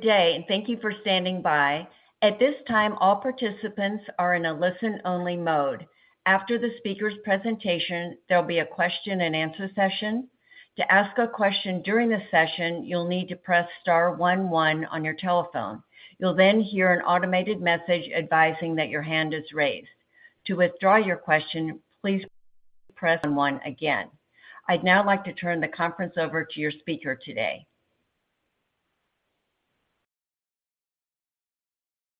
Good day, and thank you for standing by. At this time, all participants are in a listen-only mode. After the speaker's presentation, there'll be a question-and-answer session. To ask a question during the session, you'll need to press star one one on your telephone. You'll then hear an automated message advising that your hand is raised. To withdraw your question, please press one again. I'd now like to turn the conference over to your speaker today.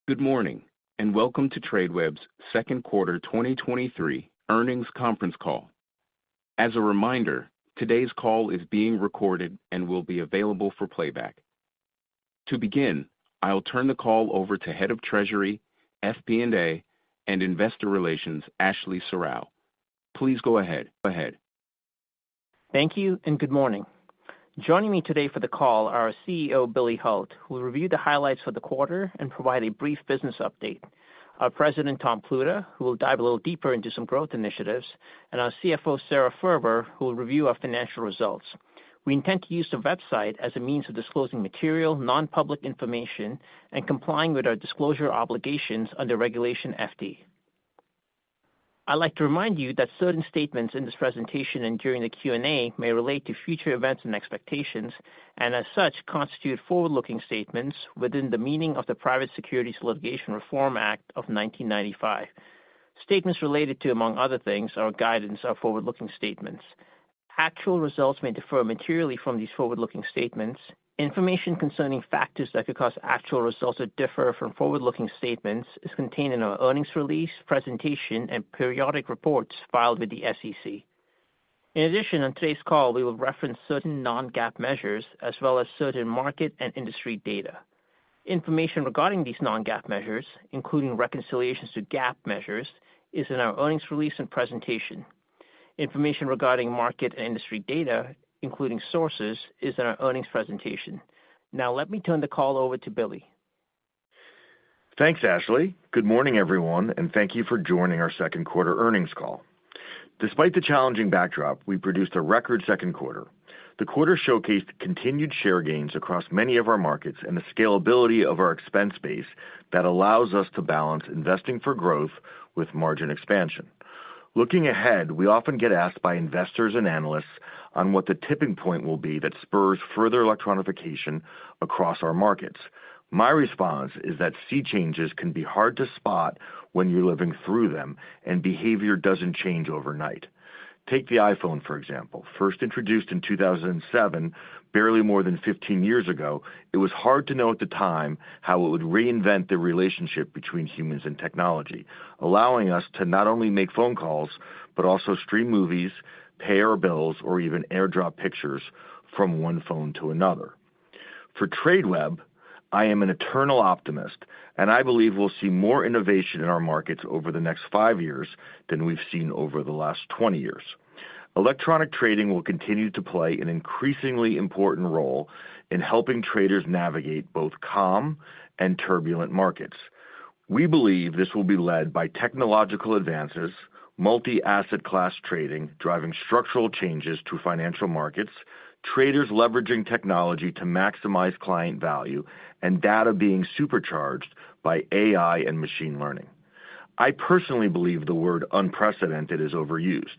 Good morning. Welcome to Tradeweb's second quarter 2023 earnings conference call. As a reminder, today's call is being recorded and will be available for playback. To begin, I'll turn the call over to Head of Treasury, FP&A, and Investor Relations, Ashley Serrao. Please go ahead. Thank you and good morning. Joining me today for the call are our CEO, Billy Hult, who will review the highlights for the quarter and provide a brief business update, our President, Tom Pluta, who will dive a little deeper into some growth initiatives, and our CFO, Sara Furber, who will review our financial results. We intend to use the website as a means of disclosing material, non-public information and complying with our disclosure obligations under Regulation FD. I'd like to remind you that certain statements in this presentation and during the Q&A may relate to future events and expectations, and as such, constitute forward-looking statements within the meaning of the Private Securities Litigation Reform Act of 1995. Statements related to, among other things, our guidance are forward-looking statements. Actual results may differ materially from these forward-looking statements. Information concerning factors that could cause actual results to differ from forward-looking statements is contained in our earnings release, presentation, and periodic reports filed with the SEC. In addition, on today's call, we will reference certain non-GAAP measures as well as certain market and industry data. Information regarding these non-GAAP measures, including reconciliations to GAAP measures, is in our earnings release and presentation. Information regarding market and industry data, including sources, is in our earnings presentation. Now let me turn the call over to Billy. Thanks, Ashley. Good morning, everyone, and thank you for joining our second quarter earnings call. Despite the challenging backdrop, we produced a record second quarter. The quarter showcased continued share gains across many of our markets and the scalability of our expense base that allows us to balance investing for growth with margin expansion. Looking ahead, we often get asked by investors and analysts on what the tipping point will be that spurs further electronification across our markets. My response is that sea changes can be hard to spot when you're living through them, and behavior doesn't change overnight. Take the iPhone, for example. First introduced in 2007, barely more than 15 years ago, it was hard to know at the time how it would reinvent the relationship between humans and technology, allowing us to not only make phone calls, but also stream movies, pay our bills, or even AirDrop pictures from one phone to another. For Tradeweb, I am an eternal optimist. I believe we'll see more innovation in our markets over the next five years than we've seen over the last 20 years. Electronic trading will continue to play an increasingly important role in helping traders navigate both calm and turbulent markets. We believe this will be led by technological advances, multi-asset class trading, driving structural changes to financial markets, traders leveraging technology to maximize client value, and data being supercharged by AI and machine learning. I personally believe the word unprecedented is overused.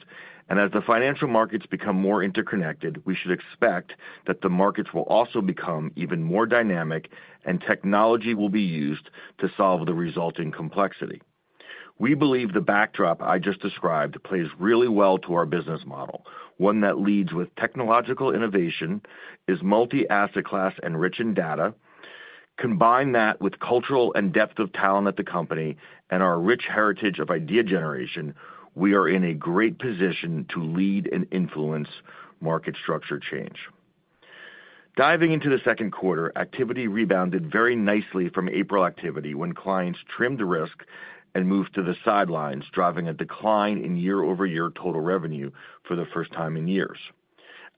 As the financial markets become more interconnected, we should expect that the markets will also become even more dynamic and technology will be used to solve the resulting complexity. We believe the backdrop I just described plays really well to our business model. One that leads with technological innovation, is multi-asset class, and rich in data. Combine that with cultural and depth of talent at the company and our rich heritage of idea generation, we are in a great position to lead and influence market structure change. Diving into the second quarter, activity rebounded very nicely from April activity, when clients trimmed risk and moved to the sidelines, driving a decline in year-over-year total revenue for the first time in years.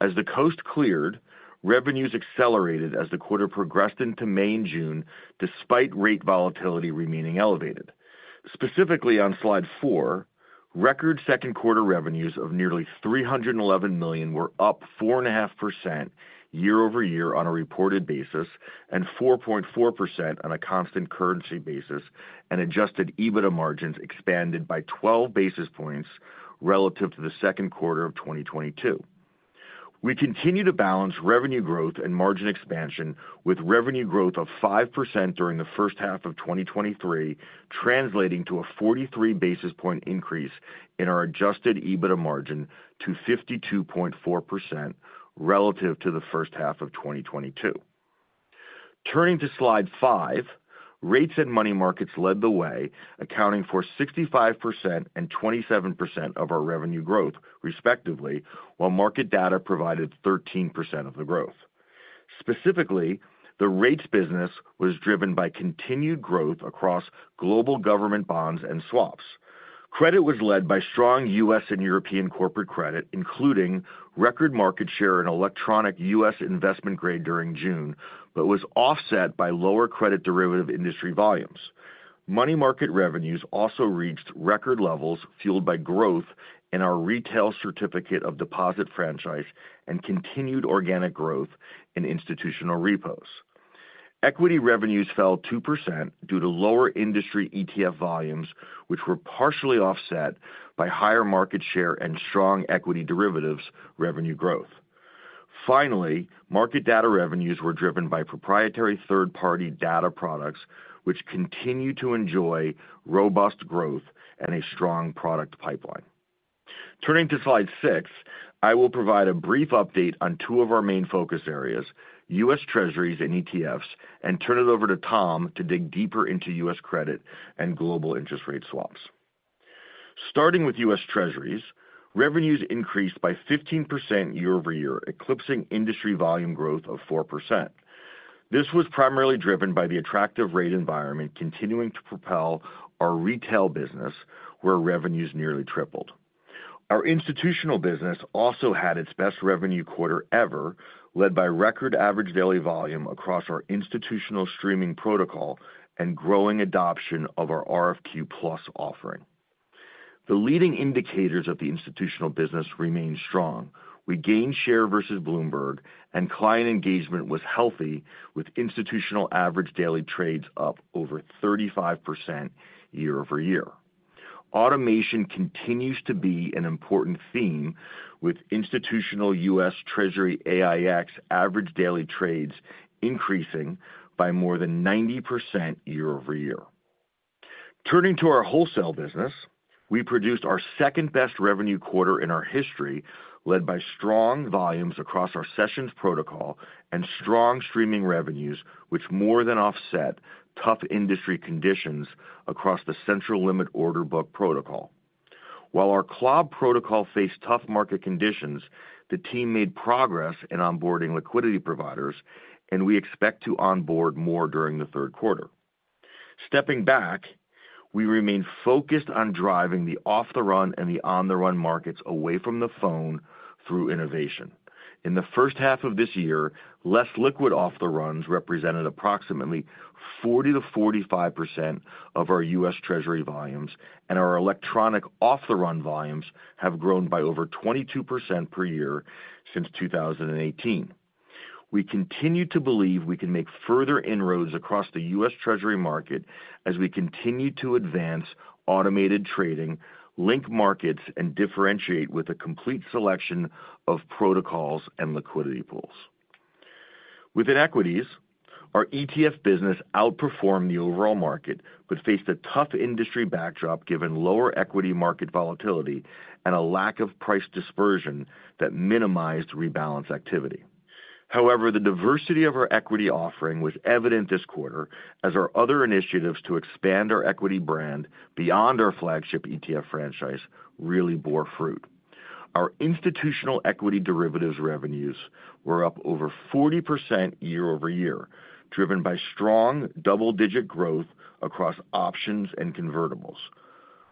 As the coast cleared, revenues accelerated as the quarter progressed into May and June, despite rate volatility remaining elevated. Specifically, on slide four, record second quarter revenues of nearly $311 million were up 4.5% year-over-year on a reported basis, and 4.4% on a constant currency basis, and Adjusted EBITDA margins expanded by 12 basis points relative to the second quarter of 2022. We continue to balance revenue growth and margin expansion, with revenue growth of 5% during the first half of 2023, translating to a 43 basis point increase in our Adjusted EBITDA margin to 52.4% relative to the first half of 2022. Turning to slide five, rates and money markets led the way, accounting for 65% and 27% of our revenue growth, respectively, while market data provided 13% of the growth. Specifically, the rates business was driven by continued growth across global government bonds and swaps. Credit was led by strong U.S. and European corporate credit, including record market share in electronic U.S. Investment Grade during June, was offset by lower credit derivative industry volumes. Money market revenues also reached record levels, fueled by growth in our retail certificate of deposit franchise and continued organic growth in institutional repos. Equity revenues fell 2% due to lower industry ETF volumes, which were partially offset by higher market share and strong equity derivatives revenue growth. Market data revenues were driven by proprietary third-party data products, which continue to enjoy robust growth and a strong product pipeline. Turning to slide six, I will provide a brief update on two of our main focus areas, US Treasuries and ETFs, and turn it over to Tom to dig deeper into U.S. credit and global interest rate swaps. Starting with US Treasuries, revenues increased by 15% year-over-year, eclipsing industry volume growth of 4%. This was primarily driven by the attractive rate environment continuing to propel our retail business, where revenues nearly tripled. Our institutional business also had its best revenue quarter ever, led by record average daily volume across our institutional streaming protocol and growing adoption of our RFQ+ offering. The leading indicators of the institutional business remain strong. We gained share versus Bloomberg, and client engagement was healthy, with institutional average daily trades up over 35% year-over-year. Automation continues to be an important theme, with institutional US Treasury AiEX average daily trades increasing by more than 90% year-over-year. Turning to our wholesale business, we produced our second-best revenue quarter in our history, led by strong volumes across our sessions protocol and strong streaming revenues, which more than offset tough industry conditions across the central limit order book protocol. While our CLOB protocol faced tough market conditions, the team made progress in onboarding liquidity providers, and we expect to onboard more during the third quarter. Stepping back, we remain focused on driving the off-the-run and the on-the-run markets away from the phone through innovation. In the first half of this year, less liquid off-the-runs represented approximately 40%-45% of our US Treasury volumes, and our electronic off-the-run volumes have grown by over 22% per year since 2018. We continue to believe we can make further inroads across the US Treasury market as we continue to advance automated trading, link markets, and differentiate with a complete selection of protocols and liquidity pools. Within equities, our ETF business outperformed the overall market, but faced a tough industry backdrop, given lower equity market volatility and a lack of price dispersion that minimized rebalance activity. However, the diversity of our equity offering was evident this quarter, as our other initiatives to expand our equity brand beyond our flagship ETF franchise really bore fruit. Our institutional equity derivatives revenues were up over 40% year-over-year, driven by strong double-digit growth across options and convertibles.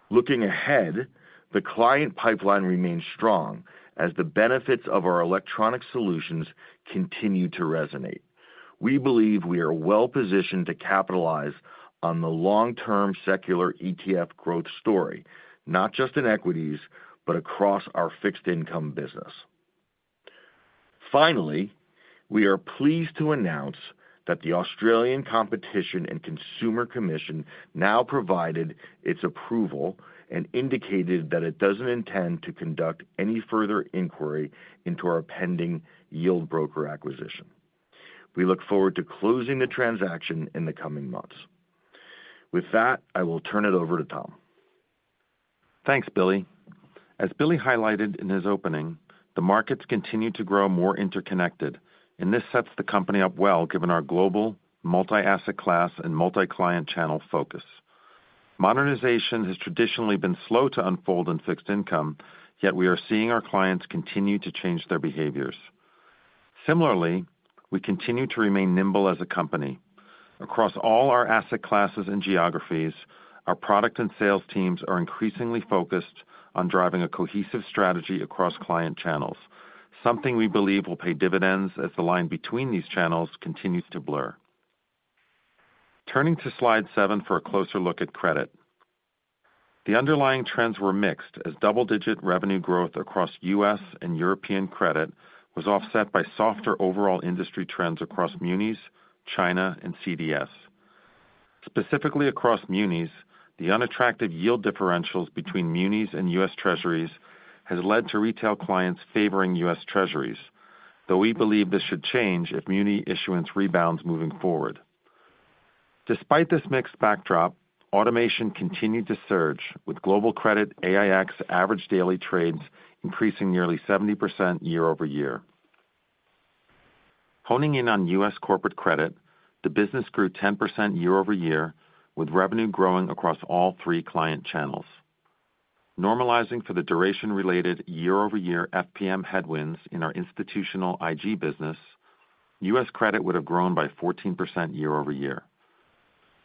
Looking ahead, the client pipeline remains strong as the benefits of our electronic solutions continue to resonate. We believe we are well-positioned to capitalize on the long-term secular ETF growth story, not just in equities, but across our fixed income business. Finally, we are pleased to announce that the Australian Competition and Consumer Commission now provided its approval and indicated that it doesn't intend to conduct any further inquiry into our pending Yieldbroker acquisition. We look forward to closing the transaction in the coming months. With that, I will turn it over to Tom. Thanks, Billy. As Billy highlighted in his opening, the markets continue to grow more interconnected, this sets the company up well, given our global, multi-asset class, and multi-client channel focus. Modernization has traditionally been slow to unfold in fixed income, yet we are seeing our clients continue to change their behaviors. Similarly, we continue to remain nimble as a company. Across all our asset classes and geographies, our product and sales teams are increasingly focused on driving a cohesive strategy across client channels, something we believe will pay dividends as the line between these channels continues to blur. Turning to slide seven for a closer look at credit. The underlying trends were mixed, as double-digit revenue growth across U.S. and European credit was offset by softer overall industry trends across munis, China, and CDS. Specifically across munis, the unattractive yield differentials between munis and US Treasuries has led to retail clients favoring US Treasuries, though we believe this should change if muni issuance rebounds moving forward. Despite this mixed backdrop, automation continued to surge, with global credit AiEX average daily trades increasing nearly 70% year-over-year. Honing in on U.S. corporate credit, the business grew 10% year-over-year, with revenue growing across all three client channels. Normalizing for the duration-related year-over-year FPM headwinds in our institutional IG business, U.S. credit would have grown by 14% year-over-year.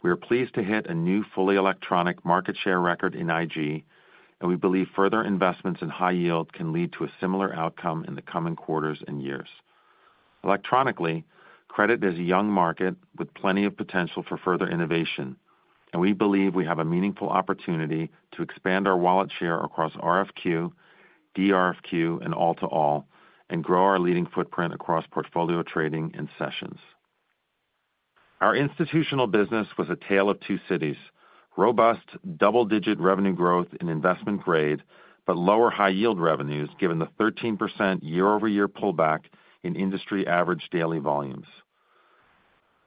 We are pleased to hit a new fully electronic market share record in IG, and we believe further investments in high yield can lead to a similar outcome in the coming quarters and years. Electronically, credit is a young market with plenty of potential for further innovation. We believe we have a meaningful opportunity to expand our wallet share across RFQ, DRFQ, and all-to-all, and grow our leading footprint across portfolio trading and sessions. Our institutional business was a tale of two cities: robust, double-digit revenue growth in investment grade, but lower high-yield revenues, given the 13% year-over-year pullback in industry average daily volumes.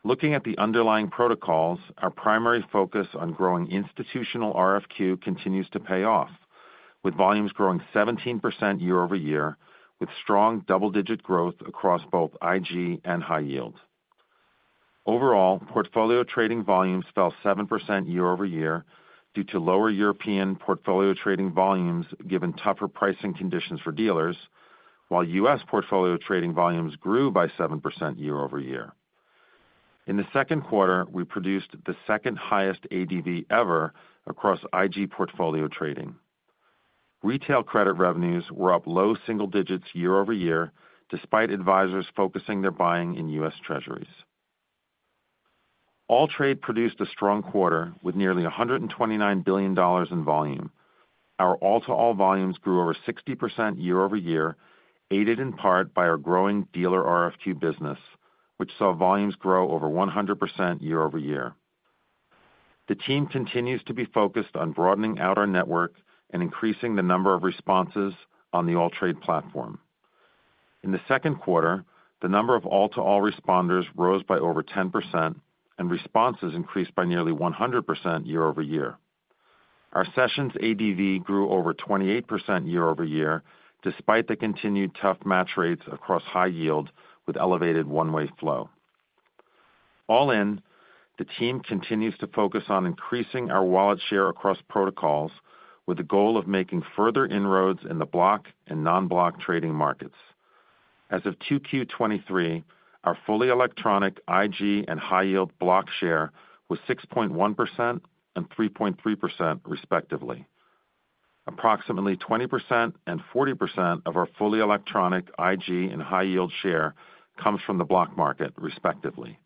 Looking at the underlying protocols, our primary focus on growing institutional RFQ continues to pay off, with volumes growing 17% year-over-year, with strong double-digit growth across both IG and high yield. Overall, portfolio trading volumes fell 7% year-over-year due to lower European portfolio trading volumes, given tougher pricing conditions for dealers, while U.S. portfolio trading volumes grew by 7% year-over-year. In the second quarter, we produced the second-highest ADV ever across IG portfolio trading. Retail credit revenues were up low single digits year-over-year, despite advisors focusing their buying in US Treasuries. AllTrade produced a strong quarter, with nearly $129 billion in volume. Our all-to-all volumes grew over 60% year-over-year, aided in part by our growing dealer RFQ business, which saw volumes grow over 100% year-over-year. The team continues to be focused on broadening out our network and increasing the number of responses on the AllTrade platform. In the second quarter, the number of all-to-all responders rose by over 10%, and responses increased by nearly 100% year-over-year. Our sessions ADV grew over 28% year-over-year, despite the continued tough match rates across high yield with elevated one-way flow. All in, the team continues to focus on increasing our wallet share across protocols, with the goal of making further inroads in the block and non-block trading markets. As of 2Q 2023, our fully electronic IG and high-yield block share was 6.1% and 3.3%, respectively. Approximately 20% and 40% of our fully electronic IG and high-yield share comes from the block market, respectively.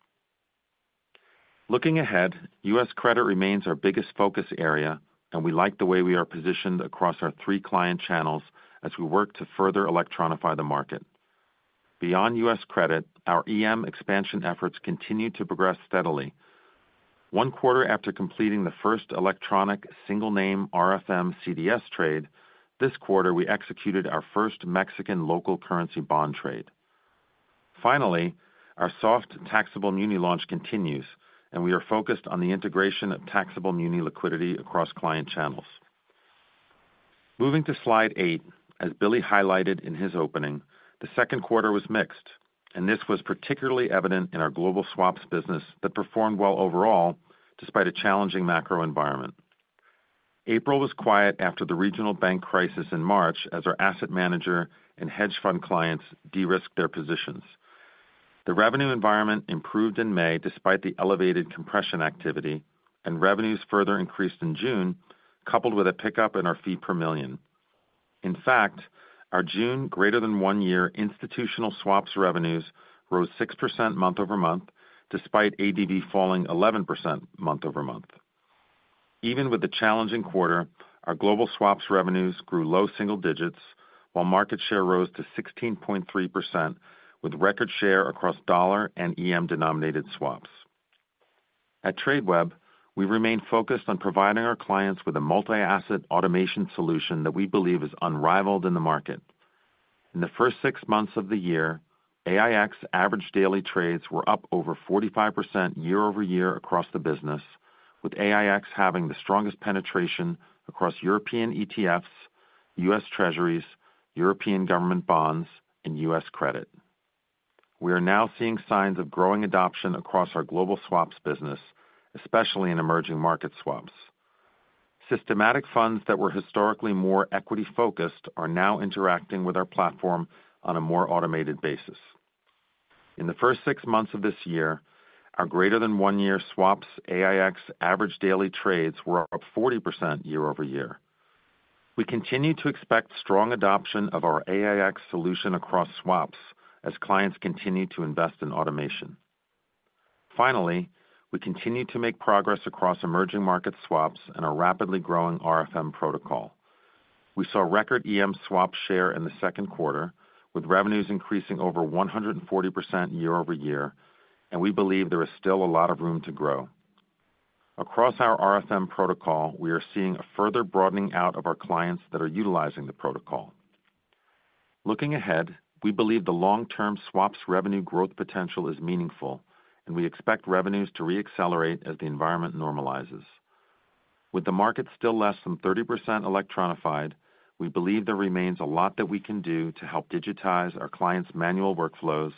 Looking ahead, U.S. credit remains our biggest focus area, and we like the way we are positioned across our three client channels as we work to further electronify the market. Beyond U.S. credit, our EM expansion efforts continue to progress steadily. One quarter after completing the first electronic single-name RFM CDS trade, this quarter, we executed our first Mexican local currency bond trade. Finally, our soft taxable muni launch continues, and we are focused on the integration of taxable muni liquidity across client channels. Moving to slide eight, as Billy highlighted in his opening, the second quarter was mixed, and this was particularly evident in our global swaps business that performed well overall, despite a challenging macro environment. April was quiet after the regional bank crisis in March, as our asset manager and hedge fund clients de-risked their positions. The revenue environment improved in May, despite the elevated compression activity, and revenues further increased in June, coupled with a pickup in our fee per million. In fact, our June greater than one-year institutional swaps revenues rose 6% month-over-month, despite ADV falling 11% month-over-month. Even with the challenging quarter, our global swaps revenues grew low single digits, while market share rose to 16.3%, with record share across dollar and EM-denominated swaps. At Tradeweb, we remain focused on providing our clients with a multi-asset automation solution that we believe is unrivaled in the market. In the first six months of the year, AiEX average daily trades were up over 45% year-over-year across the business, with AiEX having the strongest penetration across European ETFs, US Treasuries, European government bonds, and U.S. credit. We are now seeing signs of growing adoption across our global swaps business, especially in emerging market swaps. Systematic funds that were historically more equity-focused are now interacting with our platform on a more automated basis. In the first six months of this year, our greater than one-year swaps, AiEX average daily trades were up 40% year-over-year. We continue to expect strong adoption of our AiEX solution across swaps as clients continue to invest in automation. Finally, we continue to make progress across emerging market swaps and our rapidly growing RFM protocol. We saw record EM swap share in the second quarter, with revenues increasing over 140% year-over-year, and we believe there is still a lot of room to grow. Across our RFM protocol, we are seeing a further broadening out of our clients that are utilizing the protocol. Looking ahead, we believe the long-term swaps revenue growth potential is meaningful, and we expect revenues to re-accelerate as the environment normalizes. With the market still less than 30% electronified, we believe there remains a lot that we can do to help digitize our clients' manual workflows,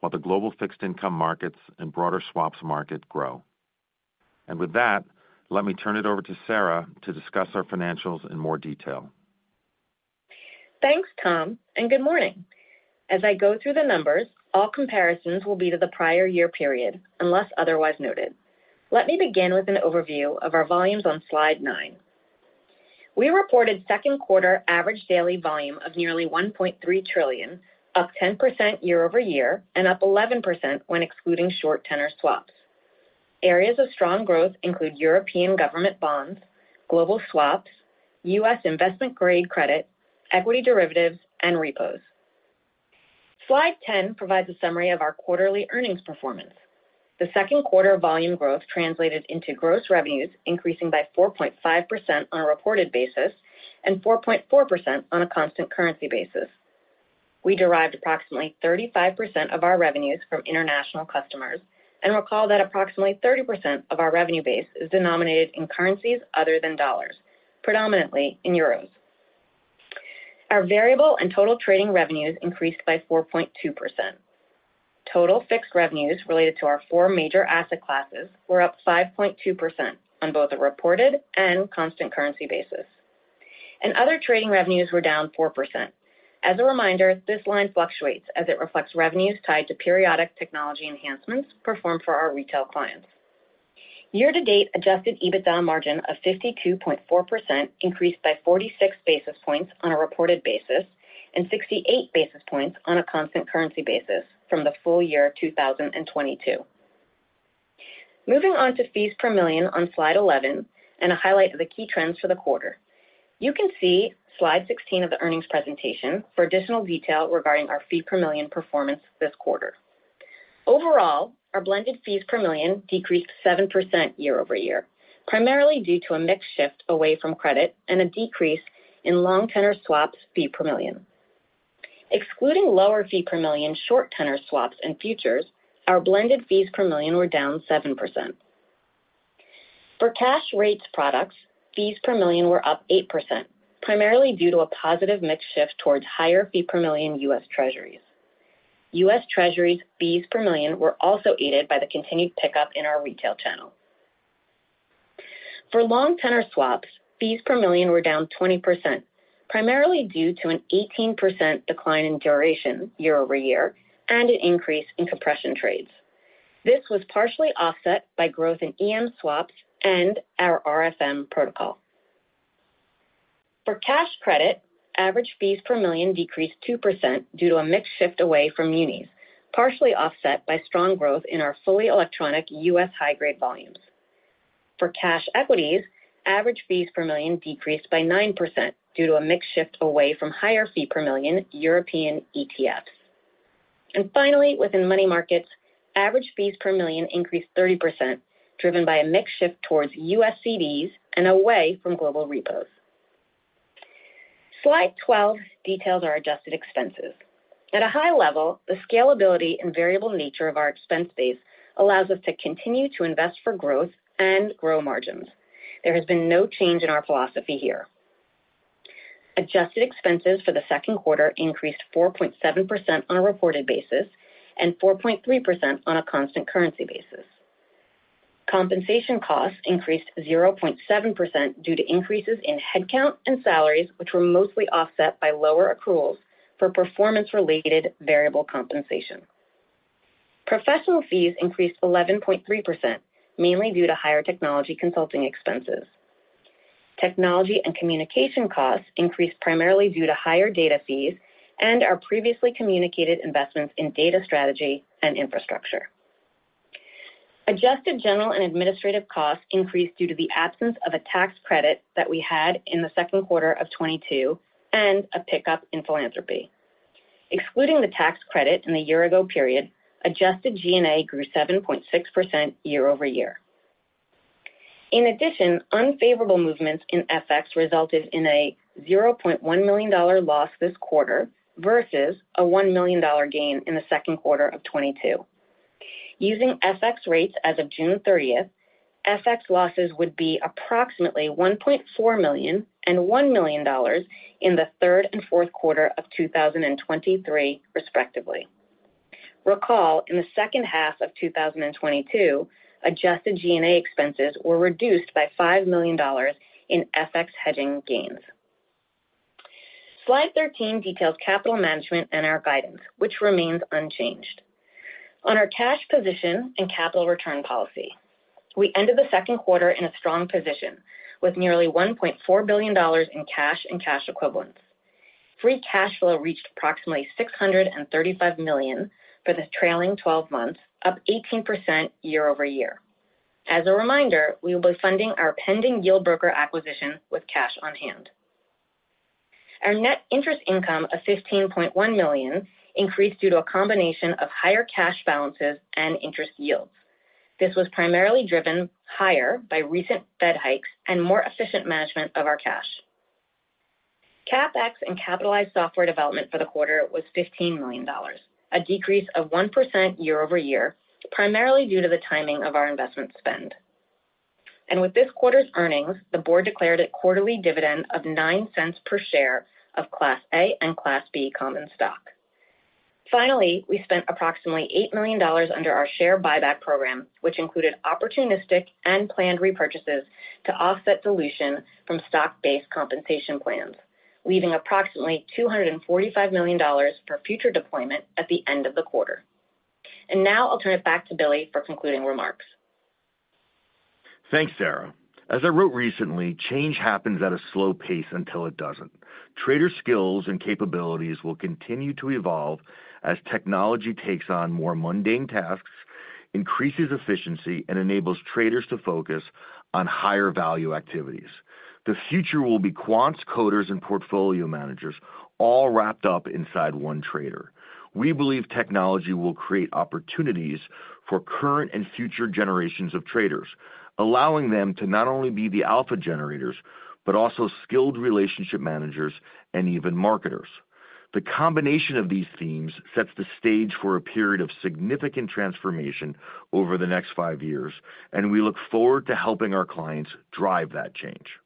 while the global fixed income markets and broader swaps market grow. With that, let me turn it over to Sara to discuss our financials in more detail. Thanks, Tom. Good morning. As I go through the numbers, all comparisons will be to the prior year period, unless otherwise noted. Let me begin with an overview of our volumes on slide nine. We reported second quarter average daily volume of nearly $1.3 trillion, up 10% year-over-year and up 11% when excluding short tenor swaps. Areas of strong growth include European government bonds, global swaps, U.S. Investment Grade credit, equity derivatives, and repos. Slide 10 provides a summary of our quarterly earnings performance. The second quarter volume growth translated into gross revenues, increasing by 4.5% on a reported basis and 4.4% on a constant currency basis. We derived approximately 35% of our revenues from international customers, and recall that approximately 30% of our revenue base is denominated in currencies other than dollars, predominantly in euros. Our variable and total trading revenues increased by 4.2%. Total fixed revenues related to our four major asset classes were up 5.2% on both a reported and constant currency basis, and other trading revenues were down 4%. As a reminder, this line fluctuates as it reflects revenues tied to periodic technology enhancements performed for our retail clients. Year-to-date Adjusted EBITDA margin of 52.4% increased by 46 basis points on a reported basis and 68 basis points on a constant currency basis from the full year 2022. Moving on to fees per million on slide 11 and a highlight of the key trends for the quarter. You can see slide 16 of the earnings presentation for additional detail regarding our fee per million performance this quarter. Overall, our blended fees per million decreased 7% year-over-year, primarily due to a mix shift away from credit and a decrease in long tenor swaps fee per million. Excluding lower fee per million, short tenor swaps and futures, our blended fees per million were down 7%. For cash rates products, fees per million were up 8%, primarily due to a positive mix shift towards higher fee per million US Treasuries. US Treasuries fees per million were also aided by the continued pickup in our retail channel. For long tenor swaps, fees per million were down 20%, primarily due to an 18% decline in duration year-over-year and an increase in compression trades. This was partially offset by growth in EM swaps and our RFM protocol. For cash credit, average fees per million decreased 2% due to a mix shift away from munis, partially offset by strong growth in our fully electronic U.S. high-grade volumes. For cash equities, average fees per million decreased by 9% due to a mix shift away from higher fee per million European ETFs. Finally, within money markets, average fees per million increased 30%, driven by a mix shift towards U.S. CDs and away from global repos. Slide 12 details our adjusted expenses. At a high level, the scalability and variable nature of our expense base allows us to continue to invest for growth and grow margins. There has been no change in our philosophy here. Adjusted expenses for the second quarter increased 4.7% on a reported basis and 4.3% on a constant currency basis. Compensation costs increased 0.7% due to increases in headcount and salaries, which were mostly offset by lower accruals for performance-related variable compensation. Professional fees increased 11.3%, mainly due to higher technology consulting expenses. Technology and communication costs increased primarily due to higher data fees and our previously communicated investments in data strategy and infrastructure. Adjusted general and administrative costs increased due to the absence of a tax credit that we had in the second quarter of 2022 and a pickup in philanthropy. Excluding the tax credit in the year ago period, adjusted G&A grew 7.6% year-over-year. Unfavorable movements in FX resulted in a $0.1 million loss this quarter, versus a $1 million gain in the second quarter of 2022. Using FX rates as of June 30th, FX losses would be approximately $1.4 million and $1 million in the third and fourth quarter of 2023, respectively. Recall, in the second half of 2022, adjusted G&A expenses were reduced by $5 million in FX hedging gains. Slide 13 details capital management and our guidance, which remains unchanged. On our cash position and capital return policy, we ended the second quarter in a strong position with nearly $1.4 billion in cash and cash equivalents. Free cash flow reached approximately $635 million for the trailing 12 months, up 18% year-over-year. As a reminder, we will be funding our pending Yieldbroker acquisition with cash on hand. Our net interest income of $15.1 million increased due to a combination of higher cash balances and interest yields. This was primarily driven higher by recent Fed hikes and more efficient management of our cash. CapEx and capitalized software development for the quarter was $15 million, a decrease of 1% year-over-year, primarily due to the timing of our investment spend. With this quarter's earnings, the board declared a quarterly dividend of $0.09 per share of Class A and Class B common stock. Finally, we spent approximately $8 million under our share buyback program, which included opportunistic and planned repurchases to offset dilution from stock-based compensation plans, leaving approximately $245 million for future deployment at the end of the quarter. Now I'll turn it back to Billy for concluding remarks. Thanks, Sara. As I wrote recently, change happens at a slow pace until it doesn't. Trader skills and capabilities will continue to evolve as technology takes on more mundane tasks, increases efficiency, and enables traders to focus on higher-value activities. The future will be quants, coders, and portfolio managers all wrapped up inside one trader. We believe technology will create opportunities for current and future generations of traders, allowing them to not only be the alpha generators, but also skilled relationship managers and even marketers. The combination of these themes sets the stage for a period of significant transformation over the next five years, and we look forward to helping our clients drive that change.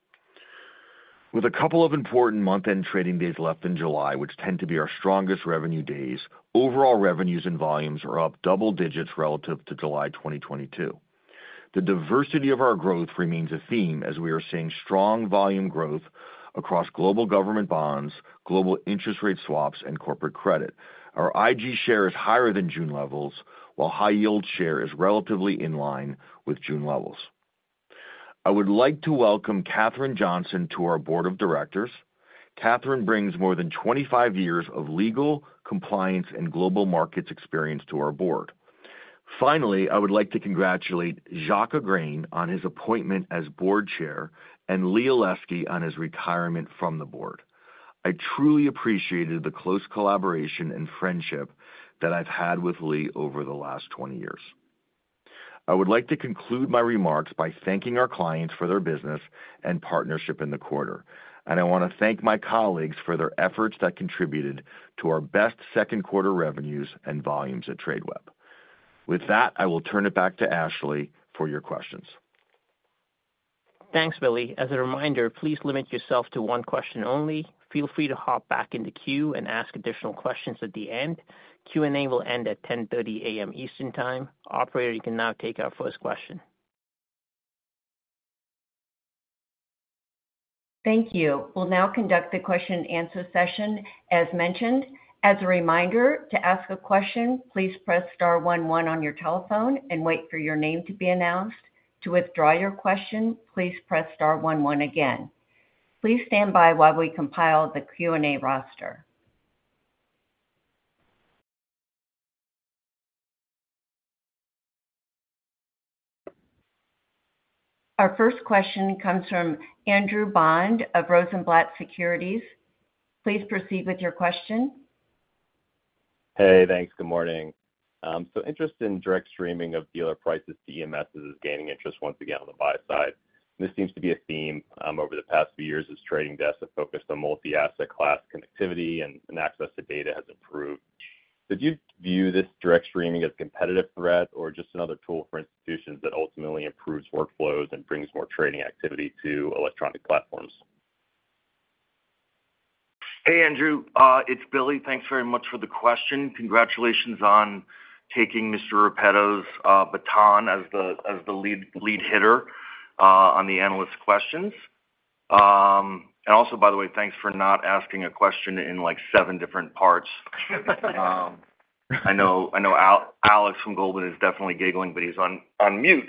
With a couple of important month-end trading days left in July, which tend to be our strongest revenue days, overall revenues and volumes are up double digits relative to July 2022. The diversity of our growth remains a theme, as we are seeing strong volume growth across global government bonds, global interest rate swaps, and corporate credit. Our IG share is higher than June levels, while high-yield share is relatively in line with June levels. I would like to welcome Catherine Johnson to our board of directors. Catherine brings more than 25 years of legal, compliance, and global markets experience to our board. Finally, I would like to congratulate Jacques Aigrain on his appointment as board chair and Lee Olesky on his retirement from the board. I truly appreciated the close collaboration and friendship that I've had with Lee over the last 20 years. I would like to conclude my remarks by thanking our clients for their business and partnership in the quarter. I want to thank my colleagues for their efforts that contributed to our best second quarter revenues and volumes at Tradeweb. With that, I will turn it back to Ashley for your questions. Thanks, Billy. As a reminder, please limit yourself to one question only. Feel free to hop back in the queue and ask additional questions at the end. Q&A will end at 10:30 A.M. Eastern Time. Operator, you can now take our first question. Thank you. We'll now conduct the question and answer session, as mentioned. As a reminder, to ask a question, please press star one one on your telephone and wait for your name to be announced. To withdraw your question, please press star one one again. Please stand by while we compile the Q&A roster. Our first question comes from Andrew Bond of Rosenblatt Securities. Please proceed with your question. Hey, thanks. Good morning. Interest in direct streaming of dealer prices to EMS is gaining interest once again on the buy side. This seems to be a theme over the past few years as trading desks have focused on multi-asset class connectivity and access to data has improved. Did you view this direct streaming as a competitive threat or just another tool for institutions that ultimately improves workflows and brings more trading activity to electronic platforms? Hey, Andrew, it's Billy. Thanks very much for the question. Congratulations on taking Mr. Repetto's baton as the lead hitter on the analyst questions. Also, by the way, thanks for not asking a question in, like, seven different parts. I know Alex from Goldman is definitely giggling, but he's on mute.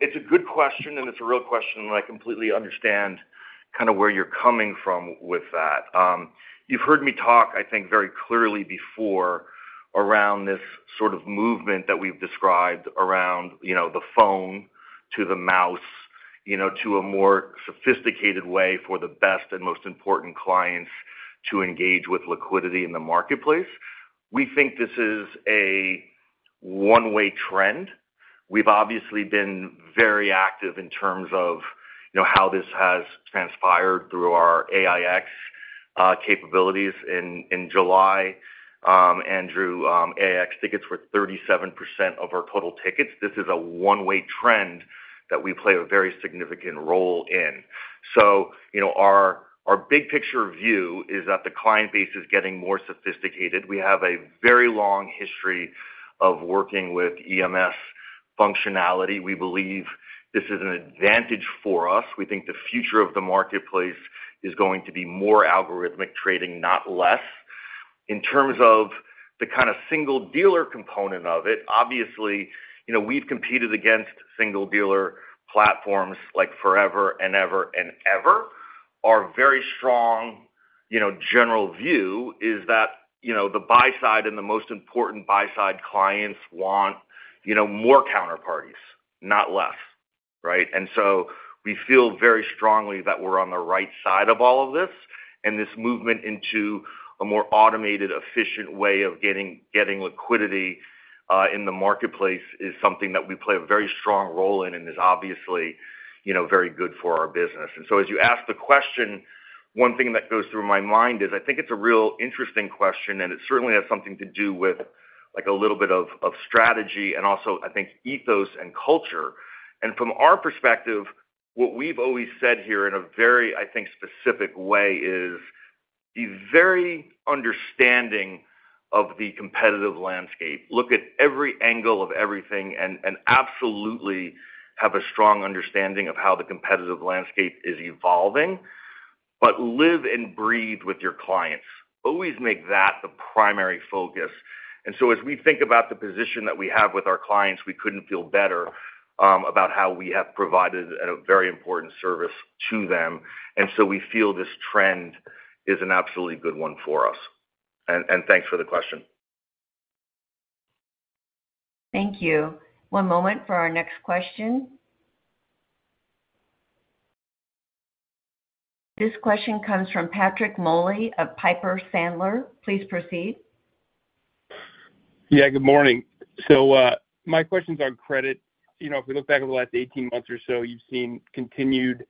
It's a good question, and it's a real question, and I completely understand kind of where you're coming from with that. You've heard me talk, I think, very clearly before, around this sort of movement that we've described around, you know, the phone to the mouse, you know, to a more sophisticated way for the best and most important clients to engage with liquidity in the marketplace. We think this is a one-way trend. We've obviously been very active in terms of, you know, how this has transpired through our AiEX capabilities in July. Andrew, AiEX tickets were 37% of our total tickets. This is a one-way trend that we play a very significant role in. You know, our big picture view is that the client base is getting more sophisticated. We have a very long history of working with EMS functionality. We believe this is an advantage for us. We think the future of the marketplace is going to be more algorithmic trading, not less. In terms of the kind of single dealer component of it, obviously, you know, we've competed against single dealer platforms, like, forever and ever and ever. Our very strong, you know, general view is that, you know, the buy side and the most important buy side clients want, you know, more counterparties, not less, right? We feel very strongly that we're on the right side of all of this, and this movement into a more automated, efficient way of getting liquidity in the marketplace is something that we play a very strong role in and is obviously, you know, very good for our business. As you ask the question, one thing that goes through my mind is, I think it's a real interesting question, and it certainly has something to do with, like, a little bit of strategy and also, I think, ethos and culture. From our perspective, what we've always said here in a very, I think, specific way is, be very understanding of the competitive landscape. Look at every angle of everything absolutely have a strong understanding of how the competitive landscape is evolving. live and breathe with your clients. Always make that the primary focus. As we think about the position that we have with our clients, we couldn't feel better, about how we have provided a very important service to them, and so we feel this trend is an absolutely good one for us. Thanks for the question. Thank you. One moment for our next question. This question comes from Patrick Moley of Piper Sandler. Please proceed. Yeah, good morning. My question's on credit. You know, if we look back over the last 18 months or so, you've seen continued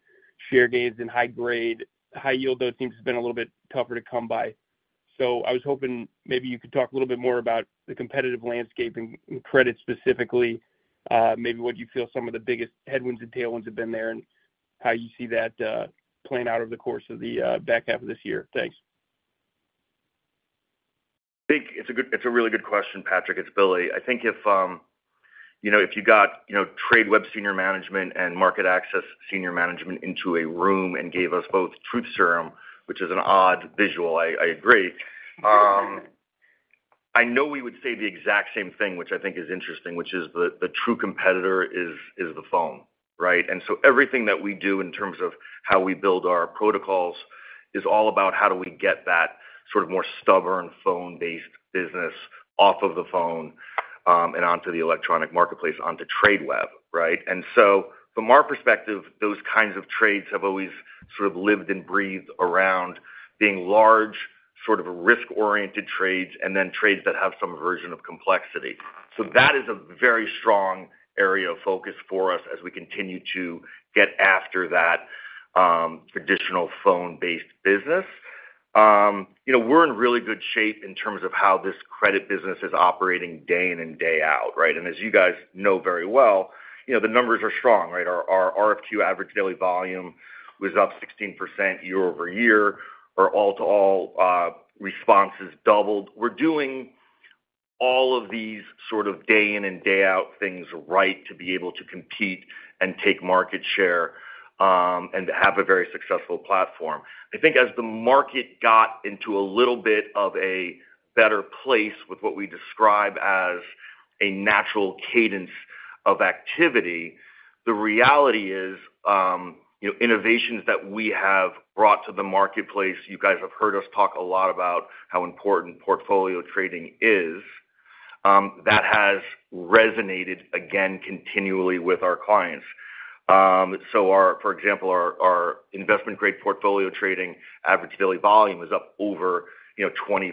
share gains in high grade. High yield, though, seems to have been a little bit tougher to come by. I was hoping maybe you could talk a little bit more about the competitive landscape in credit specifically, maybe what you feel some of the biggest headwinds and tailwinds have been there, and how you see that playing out over the course of the back half of this year. Thanks. It's a really good question, Patrick. It's Billy. I think if, you know, if you got, you know, Tradeweb senior management and MarketAxess senior management into a room and gave us both truth serum, which is an odd visual, I, I agree, I know we would say the exact same thing, which I think is interesting, which is the, the true competitor is, is the phone, right? Everything that we do in terms of how we build our protocols is all about how do we get that sort of more stubborn, phone-based business off of the phone, and onto the electronic marketplace, onto Tradeweb, right? From our perspective, those kinds of trades have always sort of lived and breathed around being large, sort of risk-oriented trades and then trades that have some version of complexity. That is a very strong area of focus for us as we continue to get after that, traditional phone-based business. You know, we're in really good shape in terms of how this credit business is operating day in and day out, right? As you guys know very well, you know, the numbers are strong, right? Our RFQ average daily volume was up 16% year-over-year. Our all-to-all, responses doubled. We're doing all of these sort of day in and day out things right to be able to compete and take market share, and to have a very successful platform. I think as the market got into a little bit of a better place with what we describe as a natural cadence of activity, the reality is, you know, innovations that we have brought to the marketplace, you guys have heard us talk a lot about how important portfolio trading is, that has resonated again continually with our clients. So for example, our investment-grade portfolio trading average daily volume is up over, you know, 20%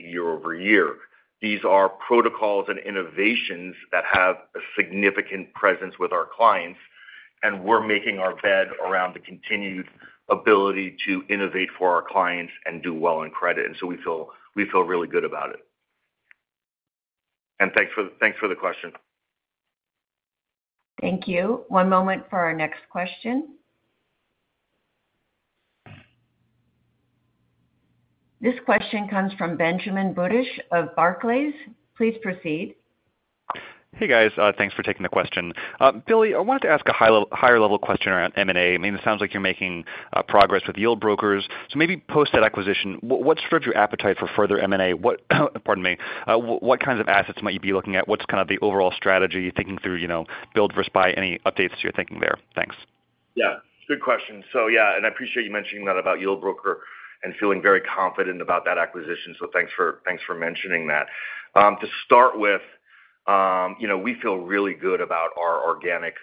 year-over-year. These are protocols and innovations that have a significant presence with our clients, and we're making our bed around the continued ability to innovate for our clients and do well in credit, and so we feel really good about it. Thanks for the question. Thank you. One moment for our next question. This question comes from Benjamin Budish of Barclays. Please proceed. Hey, guys, thanks for taking the question. Billy, I wanted to ask a higher level question around M&A. I mean, it sounds like you're making progress with Yieldbroker. Maybe post that acquisition, what's your appetite for further M&A? What, pardon me. What kinds of assets might you be looking at? What's kind of the overall strategy, thinking through, you know, build versus buy? Any updates to your thinking there? Thanks. Yeah, good question. I appreciate you mentioning that about Yieldbroker and feeling very confident about that acquisition, thanks for mentioning that. To start with, you know, we feel really good about our organic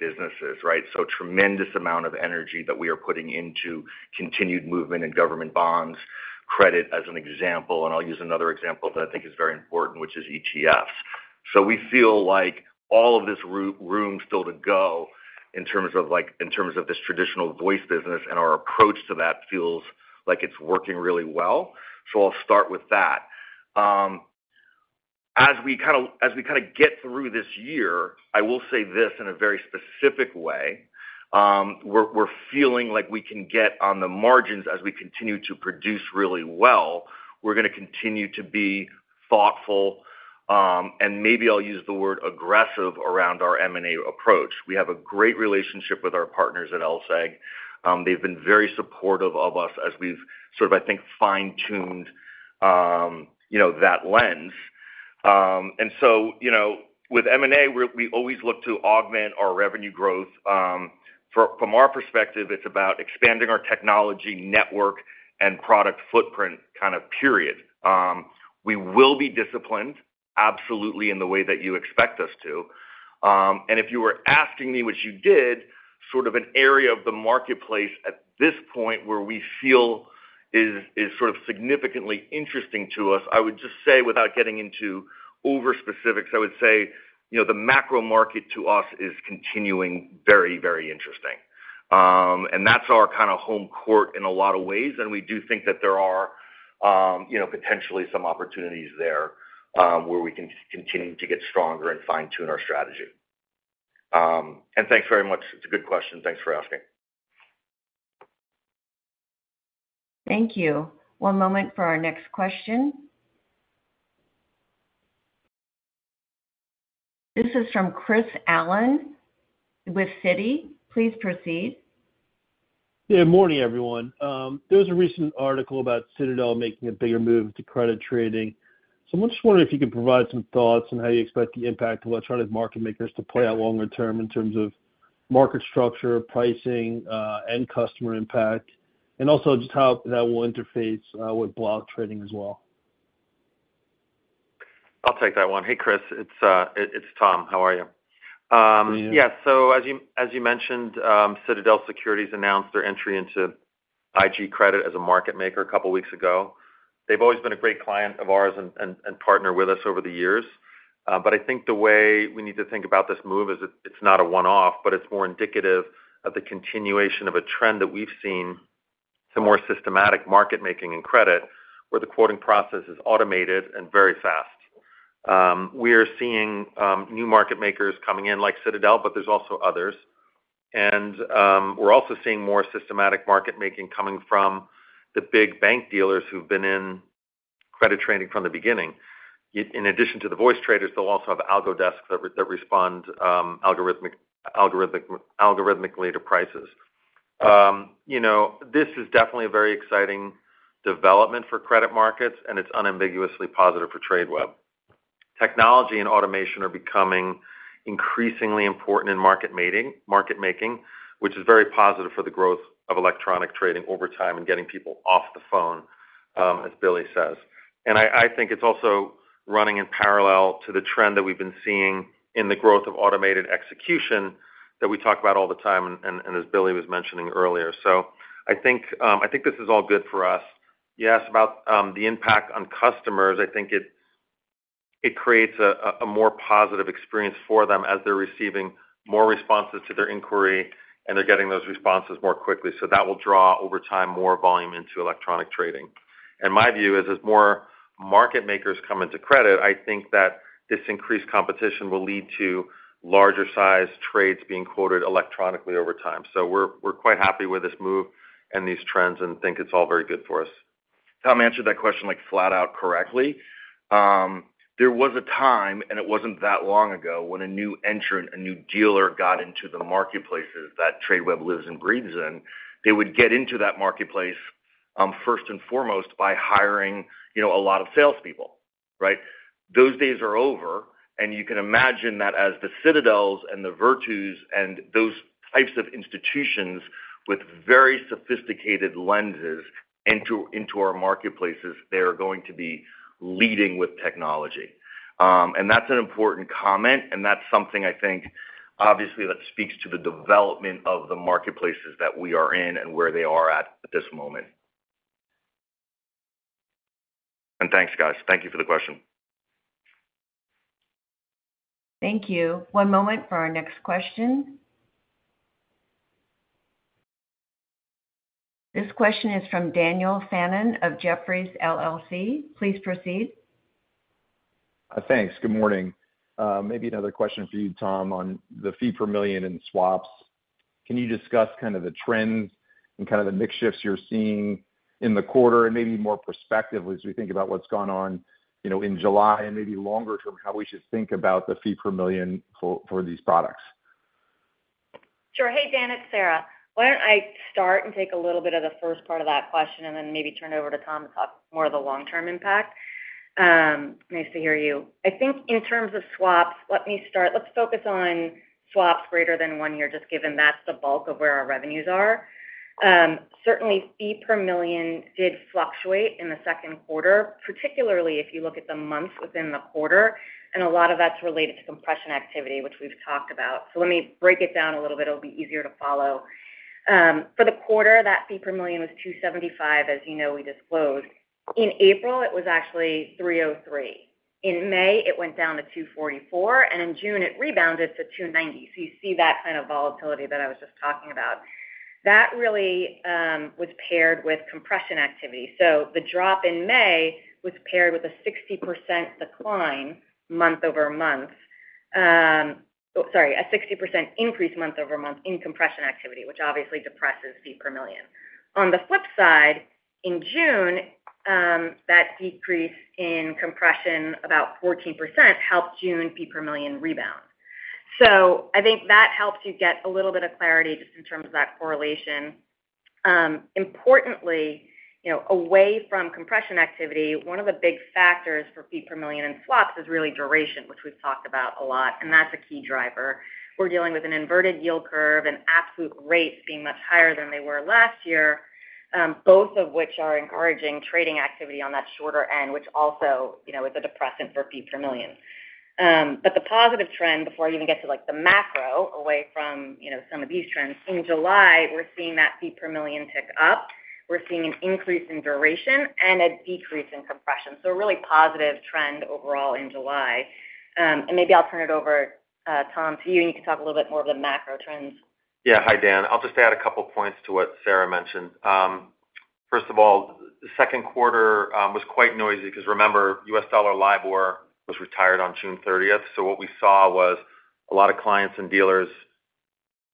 businesses, right? Tremendous amount of energy that we are putting into continued movement in government bonds, credit, as an example, and I'll use another example that I think is very important, which is ETFs. We feel like all of this room's still to go in terms of this traditional voice business, and our approach to that feels like it's working really well. I'll start with that. As we kind of get through this year, I will say this in a very specific way, we're feeling like we can get on the margins as we continue to produce really well. We're gonna continue to be thoughtful, and maybe I'll use the word aggressive around our M&A approach. We have a great relationship with our partners at LSEG. They've been very supportive of us as we've sort of, I think, fine-tuned, you know, that lens. You know, with M&A, we always look to augment our revenue growth. From our perspective, it's about expanding our technology network and product footprint, kind of period. We will be disciplined, absolutely, in the way that you expect us to. If you were asking me, which you did, sort of an area of the marketplace at this point where we feel is sort of significantly interesting to us, I would just say, without getting into over specifics, I would say, you know, the macro market to us is continuing very, very interesting. That's our kind of home court in a lot of ways, and we do think that there are, you know, potentially some opportunities there, where we can continue to get stronger and fine-tune our strategy. Thanks very much. It's a good question. Thanks for asking. Thank you. One moment for our next question. This is from Chris Allen with Citi. Please proceed. Yeah, morning, everyone. There was a recent article about Citadel making a bigger move to credit trading. I'm just wondering if you could provide some thoughts on how you expect the impact of electronic market makers to play out longer term in terms of market structure, pricing, and customer impact, and also just how that will interface, with block trading as well? I'll take that one. Hey, Chris, it's Tom. How are you? Good. As you, as you mentioned, Citadel Securities announced their entry into IG credit as a market maker a couple of weeks ago. They've always been a great client of ours and partner with us over the years. I think the way we need to think about this move is it's not a one-off, but it's more indicative of the continuation of a trend that we've seen to more systematic market-making and credit, where the quoting process is automated and very fast. We are seeing new market makers coming in, like Citadel, there's also others. We're also seeing more systematic market-making coming from the big bank dealers who've been in credit trading from the beginning. In addition to the voice traders, they'll also have algo desks that respond algorithmically to prices. You know, this is definitely a very exciting development for credit markets, and it's unambiguously positive for Tradeweb. Technology and automation are becoming increasingly important in market making, which is very positive for the growth of electronic trading over time and getting people off the phone, as Billy says. I think it's also running in parallel to the trend that we've been seeing in the growth of automated execution that we talk about all the time and as Billy was mentioning earlier. I think this is all good for us. You asked about the impact on customers. I think it creates a more positive experience for them as they're receiving more responses to their inquiry, and they're getting those responses more quickly. That will draw, over time, more volume into electronic trading. In my view, as more market makers come into credit, I think that this increased competition will lead to larger size trades being quoted electronically over time. We're quite happy with this move and these trends and think it's all very good for us. Tom answered that question, like, flat out correctly. There was a time, and it wasn't that long ago, when a new entrant, a new dealer got into the marketplaces that Tradeweb lives and breathes in, they would get into that marketplace, first and foremost, by hiring, you know, a lot of salespeople, right? Those days are over, and you can imagine that as the Citadels and the Virtus and those types of institutions with very sophisticated lenses into our marketplaces, they are going to be leading with technology. That's an important comment, and that's something I think, obviously, that speaks to the development of the marketplaces that we are in and where they are at this moment. Thanks, guys. Thank you for the question. Thank you. One moment for our next question. This question is from Daniel Fannon of Jefferies LLC. Please proceed. Thanks. Good morning. Maybe another question for you, Tom, on the fee per million in swaps. Can you discuss kind of the trends and kind of the mix shifts you're seeing in the quarter, and maybe more prospectively, as we think about what's gone on, you know, in July and maybe longer term, how we should think about the fee per million for these products? Sure. Hey, Daniel, it's Sara. Why don't I start and take a little bit of the first part of that question and then maybe turn it over to Thomas to talk more of the long-term impact? Nice to hear you. I think in terms of swaps, let's focus on swaps greater than one year, just given that's the bulk of where our revenues are. Certainly, fee per million did fluctuate in the second quarter, particularly if you look at the months within the quarter, and a lot of that's related to compression activity, which we've talked about. Let me break it down a little bit. It'll be easier to follow. For the quarter, that fee per million was 275, as you know, we disclosed. In April, it was actually 303. In May, it went down to 244, and in June, it rebounded to 290. You see that kind of volatility that I was just talking about. That really was paired with compression activity. The drop in May was paired with a 60% decline month-over-month. Sorry, a 60% increase month-over-month in compression activity, which obviously depresses fee per million. In June, that decrease in compression, about 14%, helped June fee per million rebound. I think that helps you get a little bit of clarity just in terms of that correlation. Importantly, you know, away from compression activity, one of the big factors for fee per million in swaps is really duration, which we've talked about a lot, and that's a key driver. We're dealing with an inverted yield curve and absolute rates being much higher than they were last year, both of which are encouraging trading activity on that shorter end, which also, you know, is a depressant for fee per million. The positive trend, before I even get to, like, the macro, away from, you know, some of these trends, in July, we're seeing that fee per million tick up. We're seeing an increase in duration and a decrease in compression. A really positive trend overall in July. Maybe I'll turn it over, Tom, to you, and you can talk a little bit more of the macro trends. Yeah. Hi, Dan. I'll just add a couple of points to what Sara mentioned. First of all, the second quarter was quite noisy because, remember, U.S. dollar LIBOR was retired on June 30th. What we saw was a lot of clients and dealers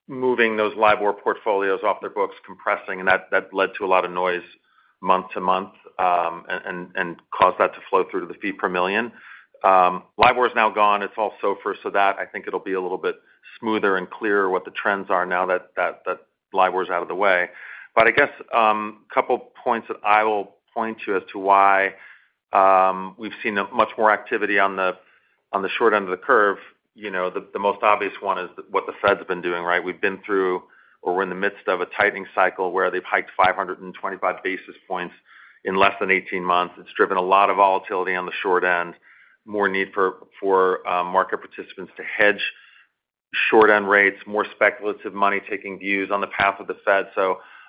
moving those LIBOR portfolios off their books, compressing, and that led to a lot of noise month-to-month and caused that to flow through to the fee per million. LIBOR is now gone. It's all SOFR. That I think it'll be a little bit smoother and clearer what the trends are now that LIBOR is out of the way. I guess a couple of points that I will point to as to why we've seen a much more activity on the short end of the curve. You know, the most obvious one is what the Fed's been doing, right? We've been through or we're in the midst of a tightening cycle where they've hiked 525 basis points in less than 18 months. It's driven a lot of volatility on the short end, more need for market participants to hedge short-end rates, more speculative money taking views on the path of the Fed.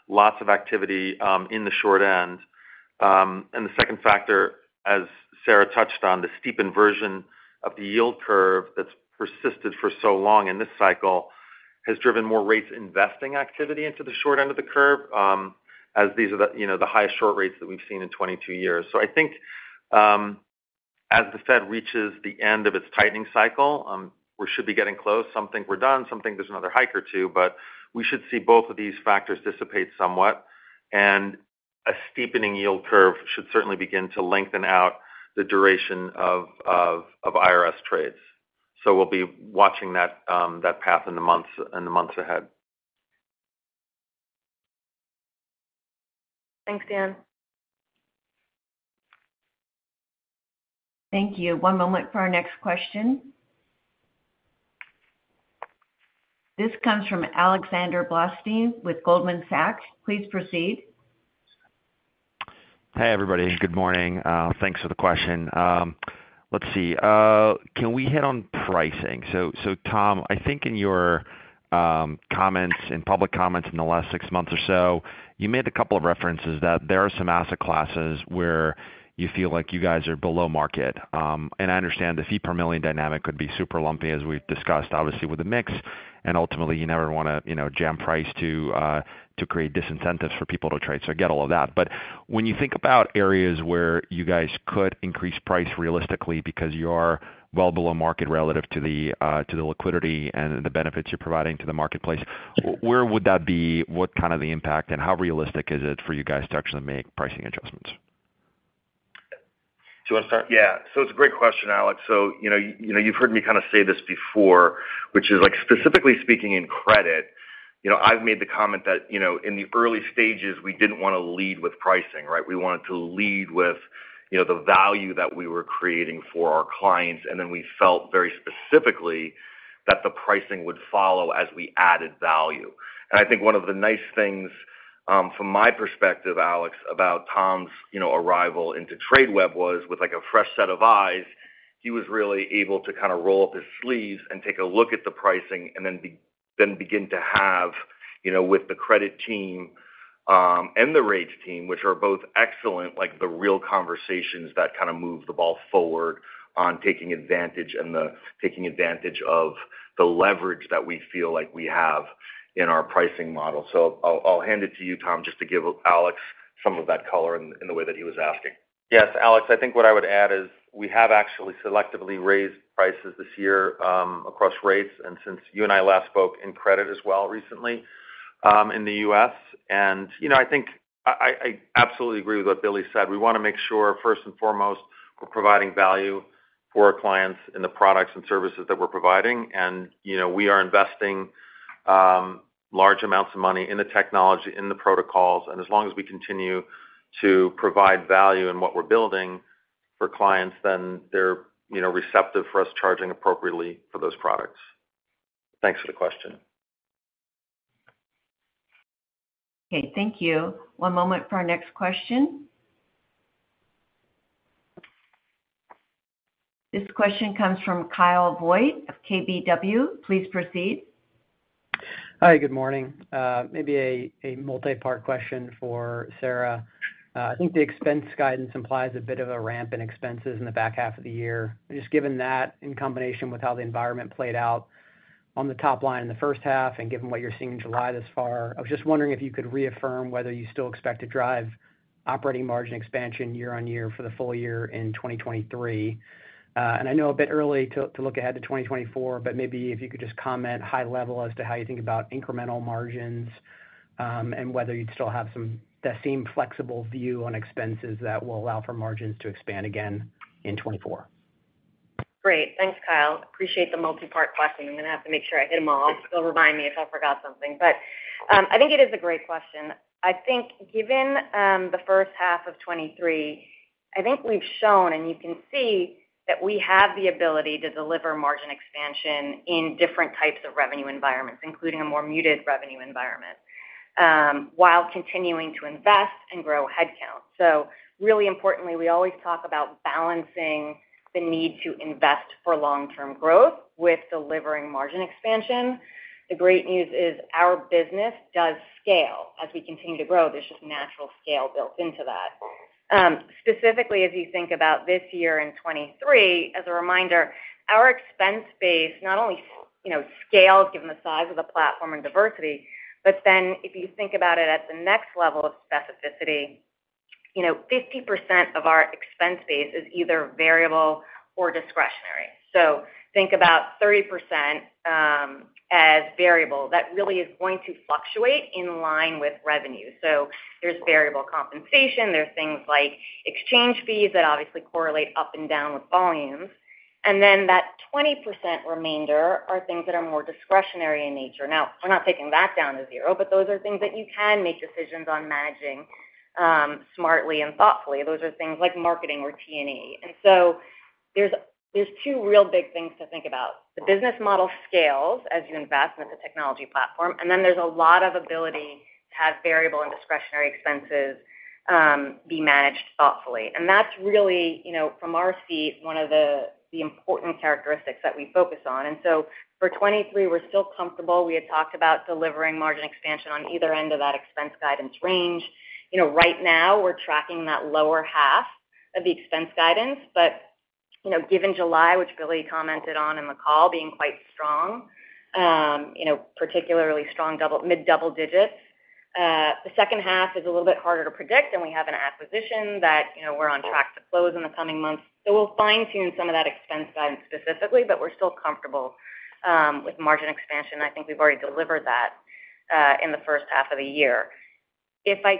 Lots of activity in the short end. The second factor, as Sara touched on, the steep inversion of the yield curve that's persisted for so long in this cycle, has driven more rates investing activity into the short end of the curve, as these are the, you know, the highest short rates that we've seen in 22 years. I think, as the Fed reaches the end of its tightening cycle, we should be getting close. Some think we're done, some think there's another hike or two, but we should see both of these factors dissipate somewhat, and a steepening yield curve should certainly begin to lengthen out the duration of IRS trades. We'll be watching that, that path in the months ahead. Thanks, Dan. Thank you. One moment for our next question. This comes from Alexander Blostein with Goldman Sachs. Please proceed. Hi, everybody. Good morning. Thanks for the question. Let's see. Can we hit on pricing? Tom, I think in your comments and public comments in the last six months or so, you made a couple of references that there are some asset classes where you feel like you guys are below market. I understand the fee per million dynamic could be super lumpy, as we've discussed, obviously, with the mix, and ultimately, you never wanna, you know, jam price to create disincentives for people to trade. I get all of that. When you think about areas where you guys could increase price realistically because you are well below market relative to the liquidity and the benefits you're providing to the marketplace, where would that be? What kind of the impact and how realistic is it for you guys to actually make pricing adjustments? Do you want to start? Yeah. It's a great question, Alex. You know, you've heard me kind of say this before, which is, like, specifically speaking in credit, you know, I've made the comment that, you know, in the early stages, we didn't want to lead with pricing, right? We wanted to lead with, you know, the value that we were creating for our clients, and then we felt very specifically that the pricing would follow as we added value. I think one of the nice things, from my perspective, Alex, about Tom's, you know, arrival into Tradeweb Markets was with, like, a fresh set of eyes, he was really able to kind of roll up his sleeves and take a look at the pricing and then begin to have, you know, with the credit team, and the rates team, which are both excellent, like, the real conversations that kind of move the ball forward on taking advantage of the leverage that we feel like we have in our pricing model. I'll, I'll hand it to you, Tom, just to give Alex some of that color in, in the way that he was asking. Yes, Alex, I think what I would add is we have actually selectively raised prices this year, across rates, and since you and I last spoke in credit as well recently, in the U.S. You know, I think I absolutely agree with what Billy said. We wanna make sure, first and foremost, we're providing value for our clients in the products and services that we're providing. You know, we are investing large amounts of money in the technology, in the protocols, and as long as we continue to provide value in what we're building for clients, then they're, you know, receptive for us charging appropriately for those products. Thanks for the question. Okay, thank you. One moment for our next question. This question comes from Kyle Voigt of KBW. Please proceed. Hi, good morning. Maybe a multipart question for Sara. I think the expense guidance implies a bit of a ramp in expenses in the back half of the year. Just given that in combination with how the environment played out on the top line in the first half and given what you're seeing in July thus far, I was just wondering if you could reaffirm whether you still expect to drive operating margin expansion year-on-year for the full year in 2023. I know a bit early to look ahead to 2024, but maybe if you could just comment high level as to how you think about incremental margins, and whether you'd still have the same flexible view on expenses that will allow for margins to expand again in 2024. Great. Thanks, Kyle. Appreciate the multipart question. I'm gonna have to make sure I hit them all. Remind me if I forgot something, but I think it is a great question. I think given the first half of 2023, I think we've shown, and you can see that we have the ability to deliver margin expansion in different types of revenue environments, including a more muted revenue environment, while continuing to invest and grow headcount. Really importantly, we always talk about balancing the need to invest for long-term growth with delivering margin expansion. The great news is our business does scale. As we continue to grow, there's just natural scale built into that. Specifically, as you think about this year in 2023, as a reminder, our expense base not only, you know, scales given the size of the platform and diversity, if you think about it at the next level of specificity, you know, 50% of our expense base is either variable or discretionary. Think about 30% as variable, that really is going to fluctuate in line with revenue. There's variable compensation, there's things like exchange fees that obviously correlate up and down with volumes. That 20% remainder are things that are more discretionary in nature. Now, we're not taking that down to zero, but those are things that you can make decisions on managing smartly and thoughtfully. Those are things like marketing or P&E. There's two real big things to think about. The business model scales as you invest in the technology platform, then there's a lot of ability to have variable and discretionary expenses be managed thoughtfully. That's really, you know, from our seat, one of the important characteristics that we focus on. For 2023, we're still comfortable. We had talked about delivering margin expansion on either end of that expense guidance range. You know, right now, we're tracking that lower half of the expense guidance, given July, which Billy commented on in the call, being quite strong, you know, particularly strong mid-double digits, the second half is a little bit harder to predict, and we have an acquisition that, you know, we're on track to close in the coming months. We'll fine-tune some of that expense guidance specifically, but we're still comfortable with margin expansion. I think we've already delivered that in the first half of the year. If I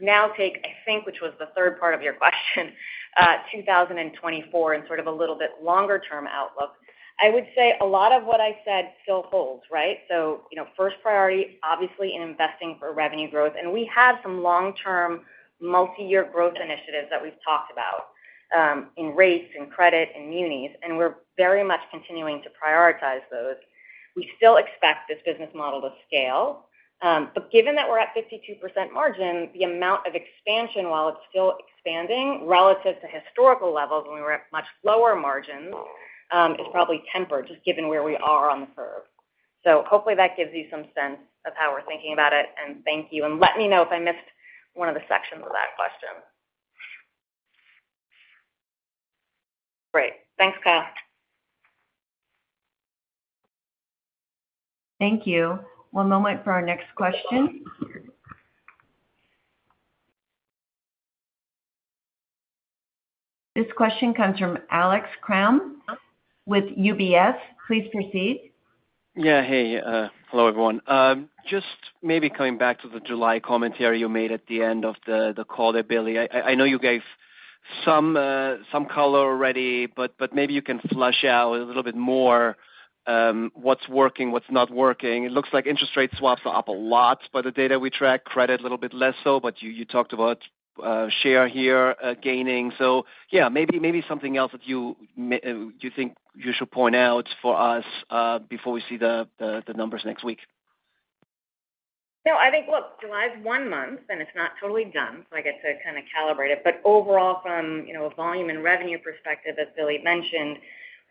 now take, I think, which was the third part of your question, 2024 and sort of a little bit longer-term outlook, I would say a lot of what I said still holds, right? You know, first priority, obviously, in investing for revenue growth. We have some long-term, multi-year growth initiatives that we've talked about in rates, in credit, in munis, and we're very much continuing to prioritize those. We still expect this business model to scale. Given that we're at 52% margin, the amount of expansion, while it's still expanding relative to historical levels when we were at much lower margins, is probably tempered, just given where we are on the curve. Hopefully that gives you some sense of how we're thinking about it, and thank you. Let me know if I missed one of the sections of that question. Great. Thanks, Kyle. Thank you. One moment for our next question. This question comes from Alex Kramm with UBS. Please proceed. Yeah, hey, hello, everyone. Just maybe coming back to the July commentary you made at the end of the call there, Billy. I know you gave some color already, but maybe you can flush out a little bit more, what's working, what's not working. It looks like interest rate swaps are up a lot, by the data we track. Credit, a little bit less so, but you talked about share here gaining. Yeah, maybe something else that you think you should point out for us, before we see the numbers next week. No, I think, look, July is one month, and it's not totally done, so I guess to kind of calibrate it. Overall, from, you know, a volume and revenue perspective, as Billy mentioned,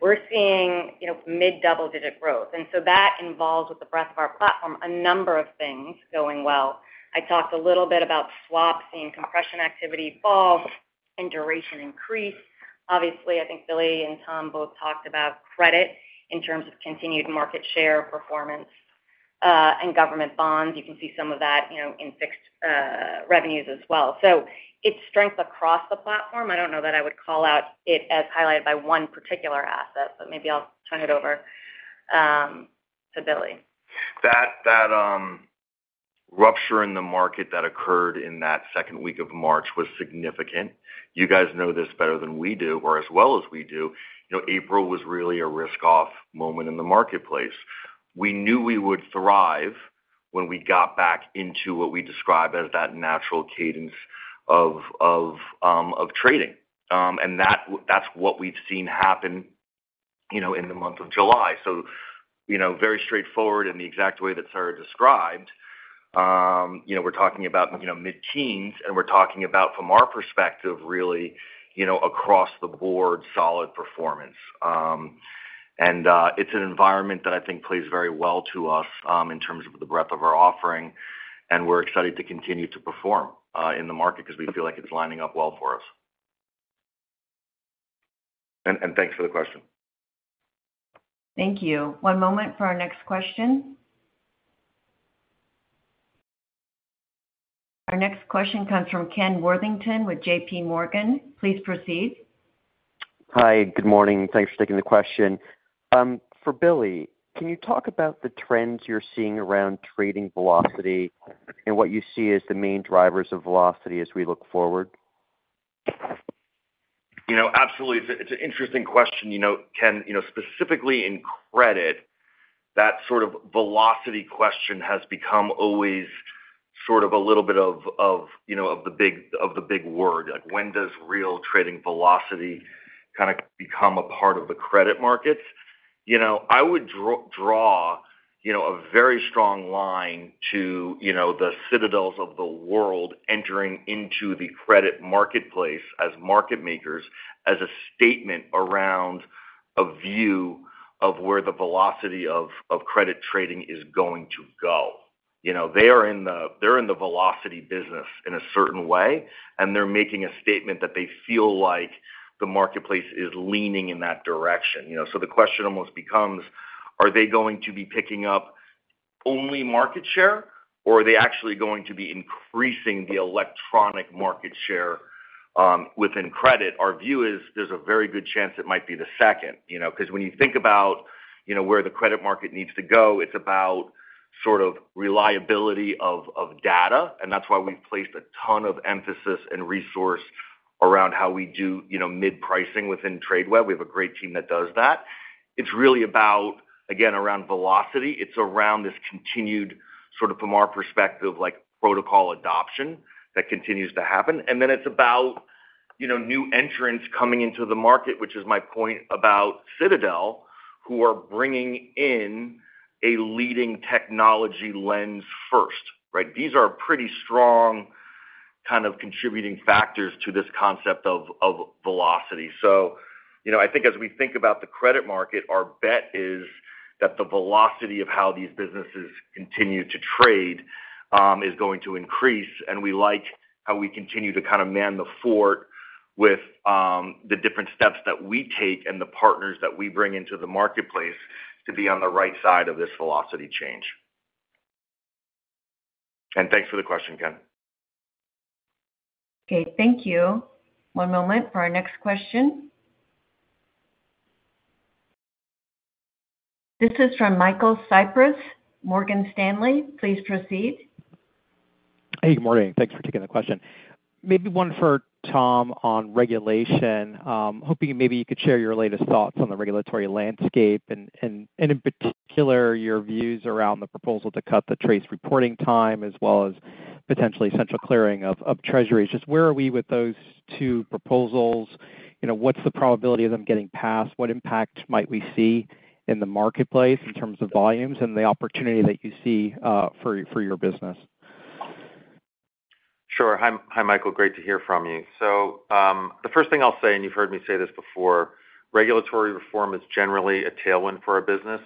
we're seeing, you know, mid-double-digit growth. That involves, with the breadth of our platform, a number of things going well. I talked a little bit about swap, seeing compression activity fall and duration increase. Obviously, I think Billy and Tom both talked about credit in terms of continued market share performance, and government bonds. You can see some of that, you know, in fixed revenues as well. It's strength across the platform. I don't know that I would call out it as highlighted by one particular asset, but maybe I'll turn it over to Billy. That rupture in the market that occurred in that second week of March was significant. You guys know this better than we do, or as well as we do. You know, April was really a risk-off moment in the marketplace. We knew we would thrive when we got back into what we describe as that natural cadence of trading. And that's what we've seen happen, you know, in the month of July. You know, very straightforward in the exact way that Sara described. You know, we're talking about, you know, mid-teens, and we're talking about, from our perspective, really, you know, across the board, solid performance. It's an environment that I think plays very well to us, in terms of the breadth of our offering, and we're excited to continue to perform in the market because we feel like it's lining up well for us. Thanks for the question. Thank you. One moment for our next question. Our next question comes from Ken Worthington with JPMorgan. Please proceed. Hi, good morning. Thanks for taking the question. For Billy, can you talk about the trends you're seeing around trading velocity and what you see as the main drivers of velocity as we look forward? You know, absolutely. It's an interesting question, you know, Ken. You know, specifically in credit, that sort of velocity question has become always sort of a little bit of the big word. Like, when does real trading velocity kind of become a part of the credit markets? You know, I would draw, you know, a very strong line to, you know, the Citadel Securities of the world entering into the credit marketplace as market makers, as a statement around a view of where the velocity of credit trading is going to go. You know, they're in the velocity business in a certain way, and they're making a statement that they feel like the marketplace is leaning in that direction. The question almost becomes: Are they going to be picking up?... only market share, or are they actually going to be increasing the electronic market share within credit? Our view is there's a very good chance it might be the second, you know. When you think about, you know, where the credit market needs to go, it's about sort of reliability of, of data, and that's why we've placed a ton of emphasis and resource around how we do, you know, mid-pricing within Tradeweb. We have a great team that does that. It's really about, again, around velocity. It's around this continued, sort of from our perspective, like protocol adoption that continues to happen. It's about, you know, new entrants coming into the market, which is my point about Citadel, who are bringing in a leading technology lens first, right? These are pretty strong, kind of contributing factors to this concept of, of velocity. You know, I think as we think about the credit market, our bet is that the velocity of how these businesses continue to trade, is going to increase, and we like how we continue to kind of man the fort with the different steps that we take and the partners that we bring into the marketplace to be on the right side of this velocity change. Thanks for the question, Ken. Thank you. One moment for our next question. This is from Michael Cyprys, Morgan Stanley. Please proceed. Hey, good morning. Thanks for taking the question. Maybe one for Tom on regulation. Hoping maybe you could share your latest thoughts on the regulatory landscape and in particular, your views around the proposal to cut the TRACE reporting time, as well as potentially central clearing of treasuries. Just where are we with those two proposals? You know, what's the probability of them getting passed? What impact might we see in the marketplace in terms of volumes and the opportunity that you see, for your business? Sure. Hi, Michael, great to hear from you. The first thing I'll say, and you've heard me say this before, regulatory reform is generally a tailwind for our business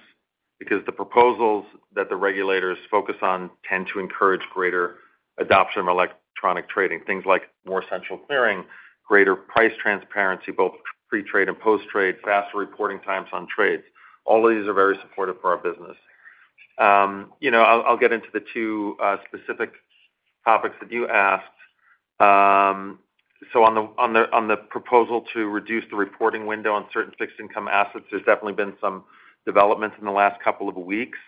because the proposals that the regulators focus on tend to encourage greater adoption of electronic trading, things like more central clearing, greater price transparency, both pre-trade and post-trade, faster reporting times on trades. All of these are very supportive for our business. You know, I'll get into the two specific topics that you asked. On the proposal to reduce the reporting window on certain fixed income assets, there's definitely been some developments in the last couple of weeks.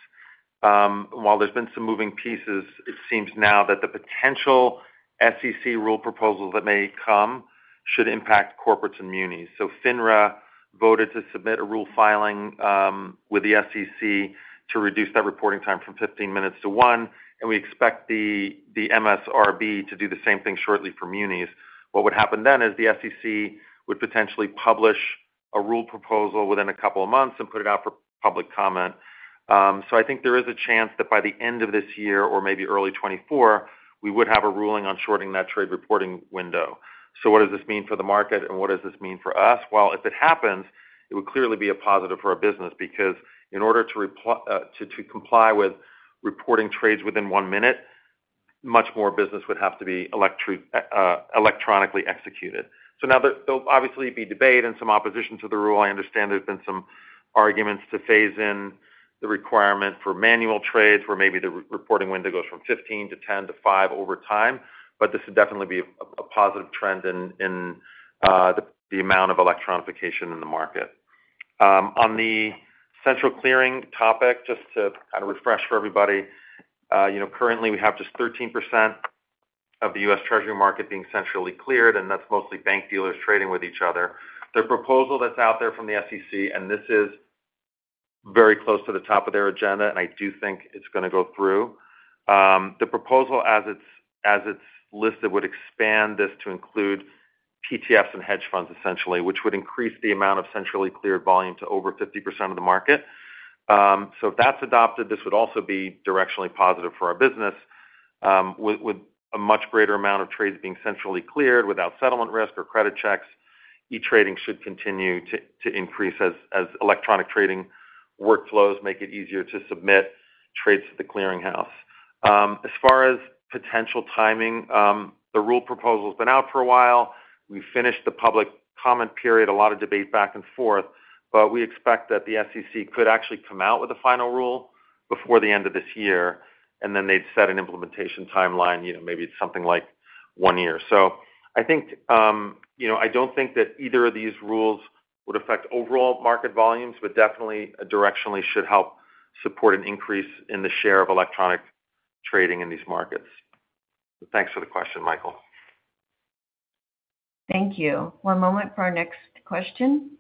While there's been some moving pieces, it seems now that the potential SEC rule proposal that may come should impact corporates and munis. FINRA voted to submit a rule filing with the SEC to reduce that reporting time from 15 minutes to one, and we expect the MSRB to do the same thing shortly for munis. What would happen is the SEC would potentially publish a rule proposal within 2 months and put it out for public comment. I think there is a chance that by the end of this year or maybe early 2024, we would have a ruling on shorting that trade reporting window. What does this mean for the market, and what does this mean for us? Well, if it happens, it would clearly be a positive for our business, because in order to comply with reporting trades within one minute, much more business would have to be electronically executed. Now, there'll obviously be debate and some opposition to the rule. I understand there's been some arguments to phase in the requirement for manual trades, where maybe the re-reporting window goes from 15 to 10 to five over time, but this would definitely be a positive trend in the amount of electronification in the market. On the central clearing topic, just to kind of refresh for everybody, you know, currently we have just 13% of the US Treasury market being centrally cleared, and that's mostly bank dealers trading with each other. The proposal that's out there from the SEC, and this is very close to the top of their agenda, and I do think it's gonna go through. The proposal as it's listed, would expand this to include PTFs and hedge funds, essentially, which would increase the amount of centrally cleared volume to over 50% of the market. If that's adopted, this would also be directionally positive for our business. With a much greater amount of trades being centrally cleared without settlement risk or credit checks, e-trading should continue to increase as electronic trading workflows make it easier to submit trades to the clearinghouse. As far as potential timing, the rule proposal has been out for a while. We finished the public comment period, a lot of debate back and forth, but we expect that the SEC could actually come out with a final rule before the end of this year. They'd set an implementation timeline, you know, maybe something like one year. I think, you know, I don't think that either of these rules would affect overall market volumes, but definitely directionally should help support an increase in the share of electronic trading in these markets. Thanks for the question, Michael. Thank you. One moment for our next question.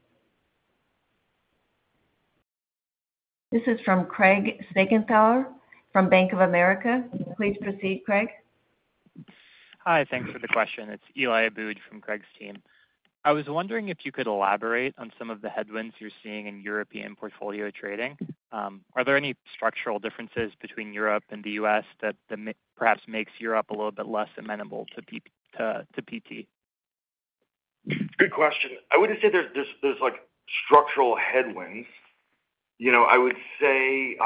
This is from Craig Siegenthaler from Bank of America. Please proceed, Craig. Hi, thanks for the question. It's Eli Abboud from Craig's team. I was wondering if you could elaborate on some of the headwinds you're seeing in European portfolio trading. Are there any structural differences between Europe and the U.S. that perhaps makes Europe a little bit less amenable to PT? Good question. I wouldn't say there's, like, structural headwinds. You know, I would say,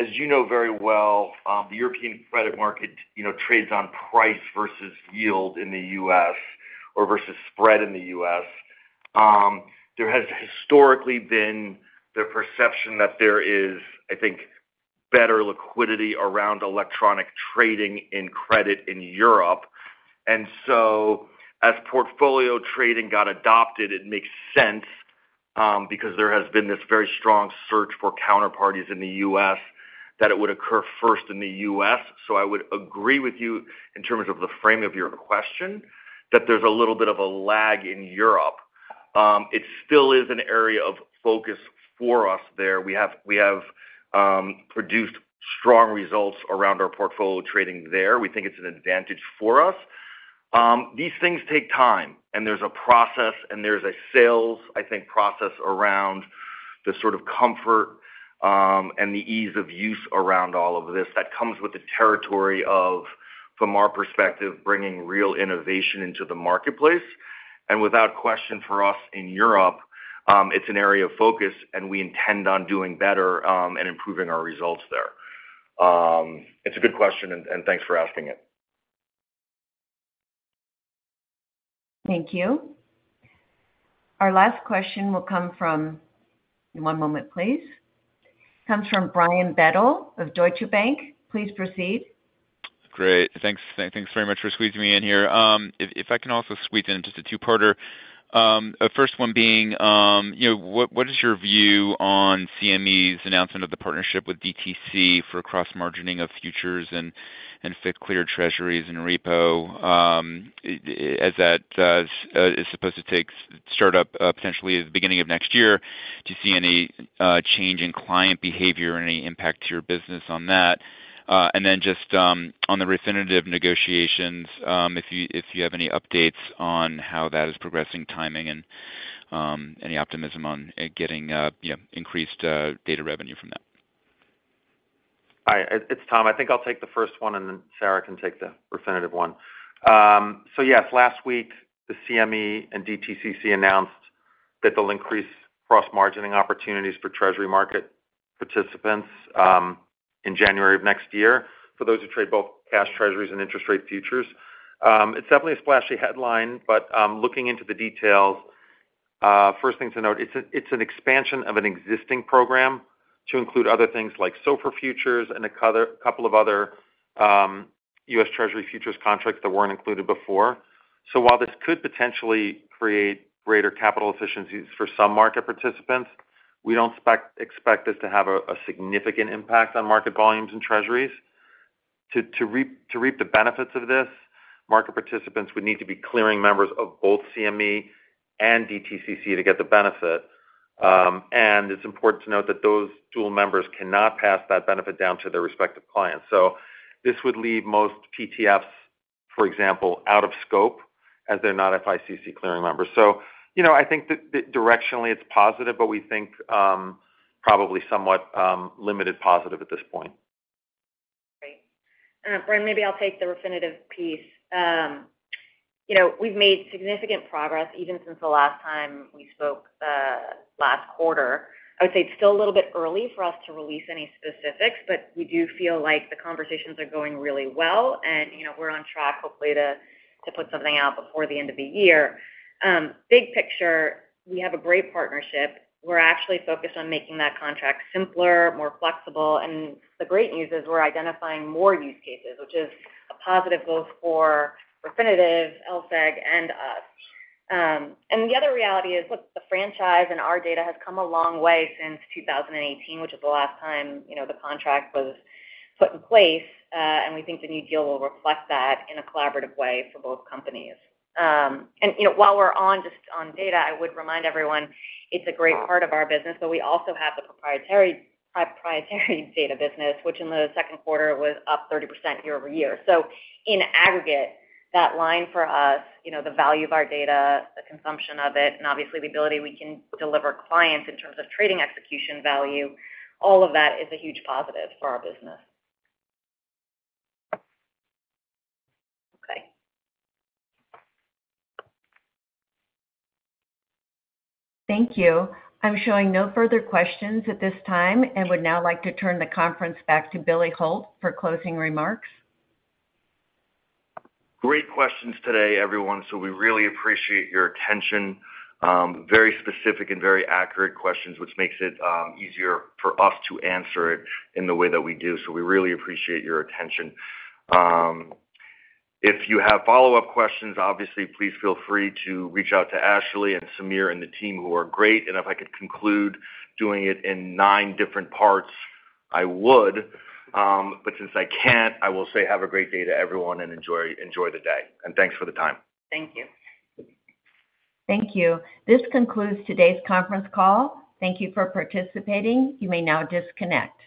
as you know very well, the European credit market, you know, trades on price versus yield in the U.S. or versus spread in the U.S. There has historically been the perception that there is, I think, better liquidity around electronic trading in credit in Europe. As portfolio trading got adopted, it makes sense, because there has been this very strong search for counterparties in the U.S., that it would occur first in the U.S. I would agree with you in terms of the frame of your question, that there's a little bit of a lag in Europe. It still is an area of focus for us there. We have produced strong results around our portfolio trading there. We think it's an advantage for us. these things take time, and there's a process, and there's a sales, I think, process around the sort of comfort, and the ease of use around all of this that comes with the territory of, from our perspective, bringing real innovation into the marketplace. Without question, for us in Europe, it's an area of focus, and we intend on doing better, and improving our results there. It's a good question, and, and thanks for asking it. Thank you. Our last question will come from... One moment, please. Comes from Brian Bedell of Deutsche Bank. Please proceed. Great. Thanks. Thanks very much for squeezing me in here. If I can also squeeze in just a two-parter, the first one being, you know, what is your view on CME Group's announcement of the partnership with DTCC for cross-margining of futures and FICC-cleared Treasuries and repo, as that is supposed to start up potentially at the beginning of next year? Do you see any change in client behavior or any impact to your business on that? Then just on the Refinitiv negotiations, if you have any updates on how that is progressing, timing, and any optimism on getting, you know, increased data revenue from them. Hi, it's Tom. I think I'll take the first one, and then Sara can take the Refinitiv one. Yes, last week, the CME and DTCC announced that they'll increase cross-margining opportunities for Treasury market participants in January of next year, for those who trade both cash Treasuries and interest rate futures. It's definitely a splashy headline, but looking into the details, first thing to note, it's an expansion of an existing program to include other things like SOFR futures and a couple of other US Treasury futures contracts that weren't included before. While this could potentially create greater capital efficiencies for some market participants, we don't expect this to have a significant impact on market volumes and Treasuries. To reap the benefits of this, market participants would need to be clearing members of both CME and DTCC to get the benefit. It's important to note that those dual members cannot pass that benefit down to their respective clients. This would leave most PTFs, for example, out of scope, as they're not FICC clearing members. You know, I think that directionally, it's positive, but we think probably somewhat limited positive at this point. Great. Brian, maybe I'll take the Refinitiv piece. You know, we've made significant progress even since the last time we spoke, last quarter. I would say it's still a little bit early for us to release any specifics, but we do feel like the conversations are going really well, and, you know, we're on track, hopefully, to put something out before the end of the year. Big picture, we have a great partnership. We're actually focused on making that contract simpler, more flexible, and the great news is we're identifying more use cases, which is a positive both for Refinitiv, LSEG, and us. The other reality is, look, the franchise and our data has come a long way since 2018, which is the last time, you know, the contract was put in place, and we think the new deal will reflect that in a collaborative way for both companies. You know, while we're on just on data, I would remind everyone, it's a great part of our business, but we also have the proprietary data business, which in the second quarter was up 30% year-over-year. In aggregate, that line for us, you know, the value of our data, the consumption of it, and obviously, the ability we can deliver clients in terms of trading execution value, all of that is a huge positive for our business. Okay. Thank you. I'm showing no further questions at this time and would now like to turn the conference back to Billy Hult for closing remarks. Great questions today, everyone. We really appreciate your attention. Very specific and very accurate questions, which makes it easier for us to answer it in the way that we do. We really appreciate your attention. If you have follow-up questions, obviously, please feel free to reach out to Ashley and Samir and the team, who are great. If I could conclude doing it in nine different parts, I would, but since I can't, I will say have a great day to everyone and enjoy the day. Thanks for the time. Thank you. Thank you. This concludes today's conference call. Thank you for participating. You may now disconnect.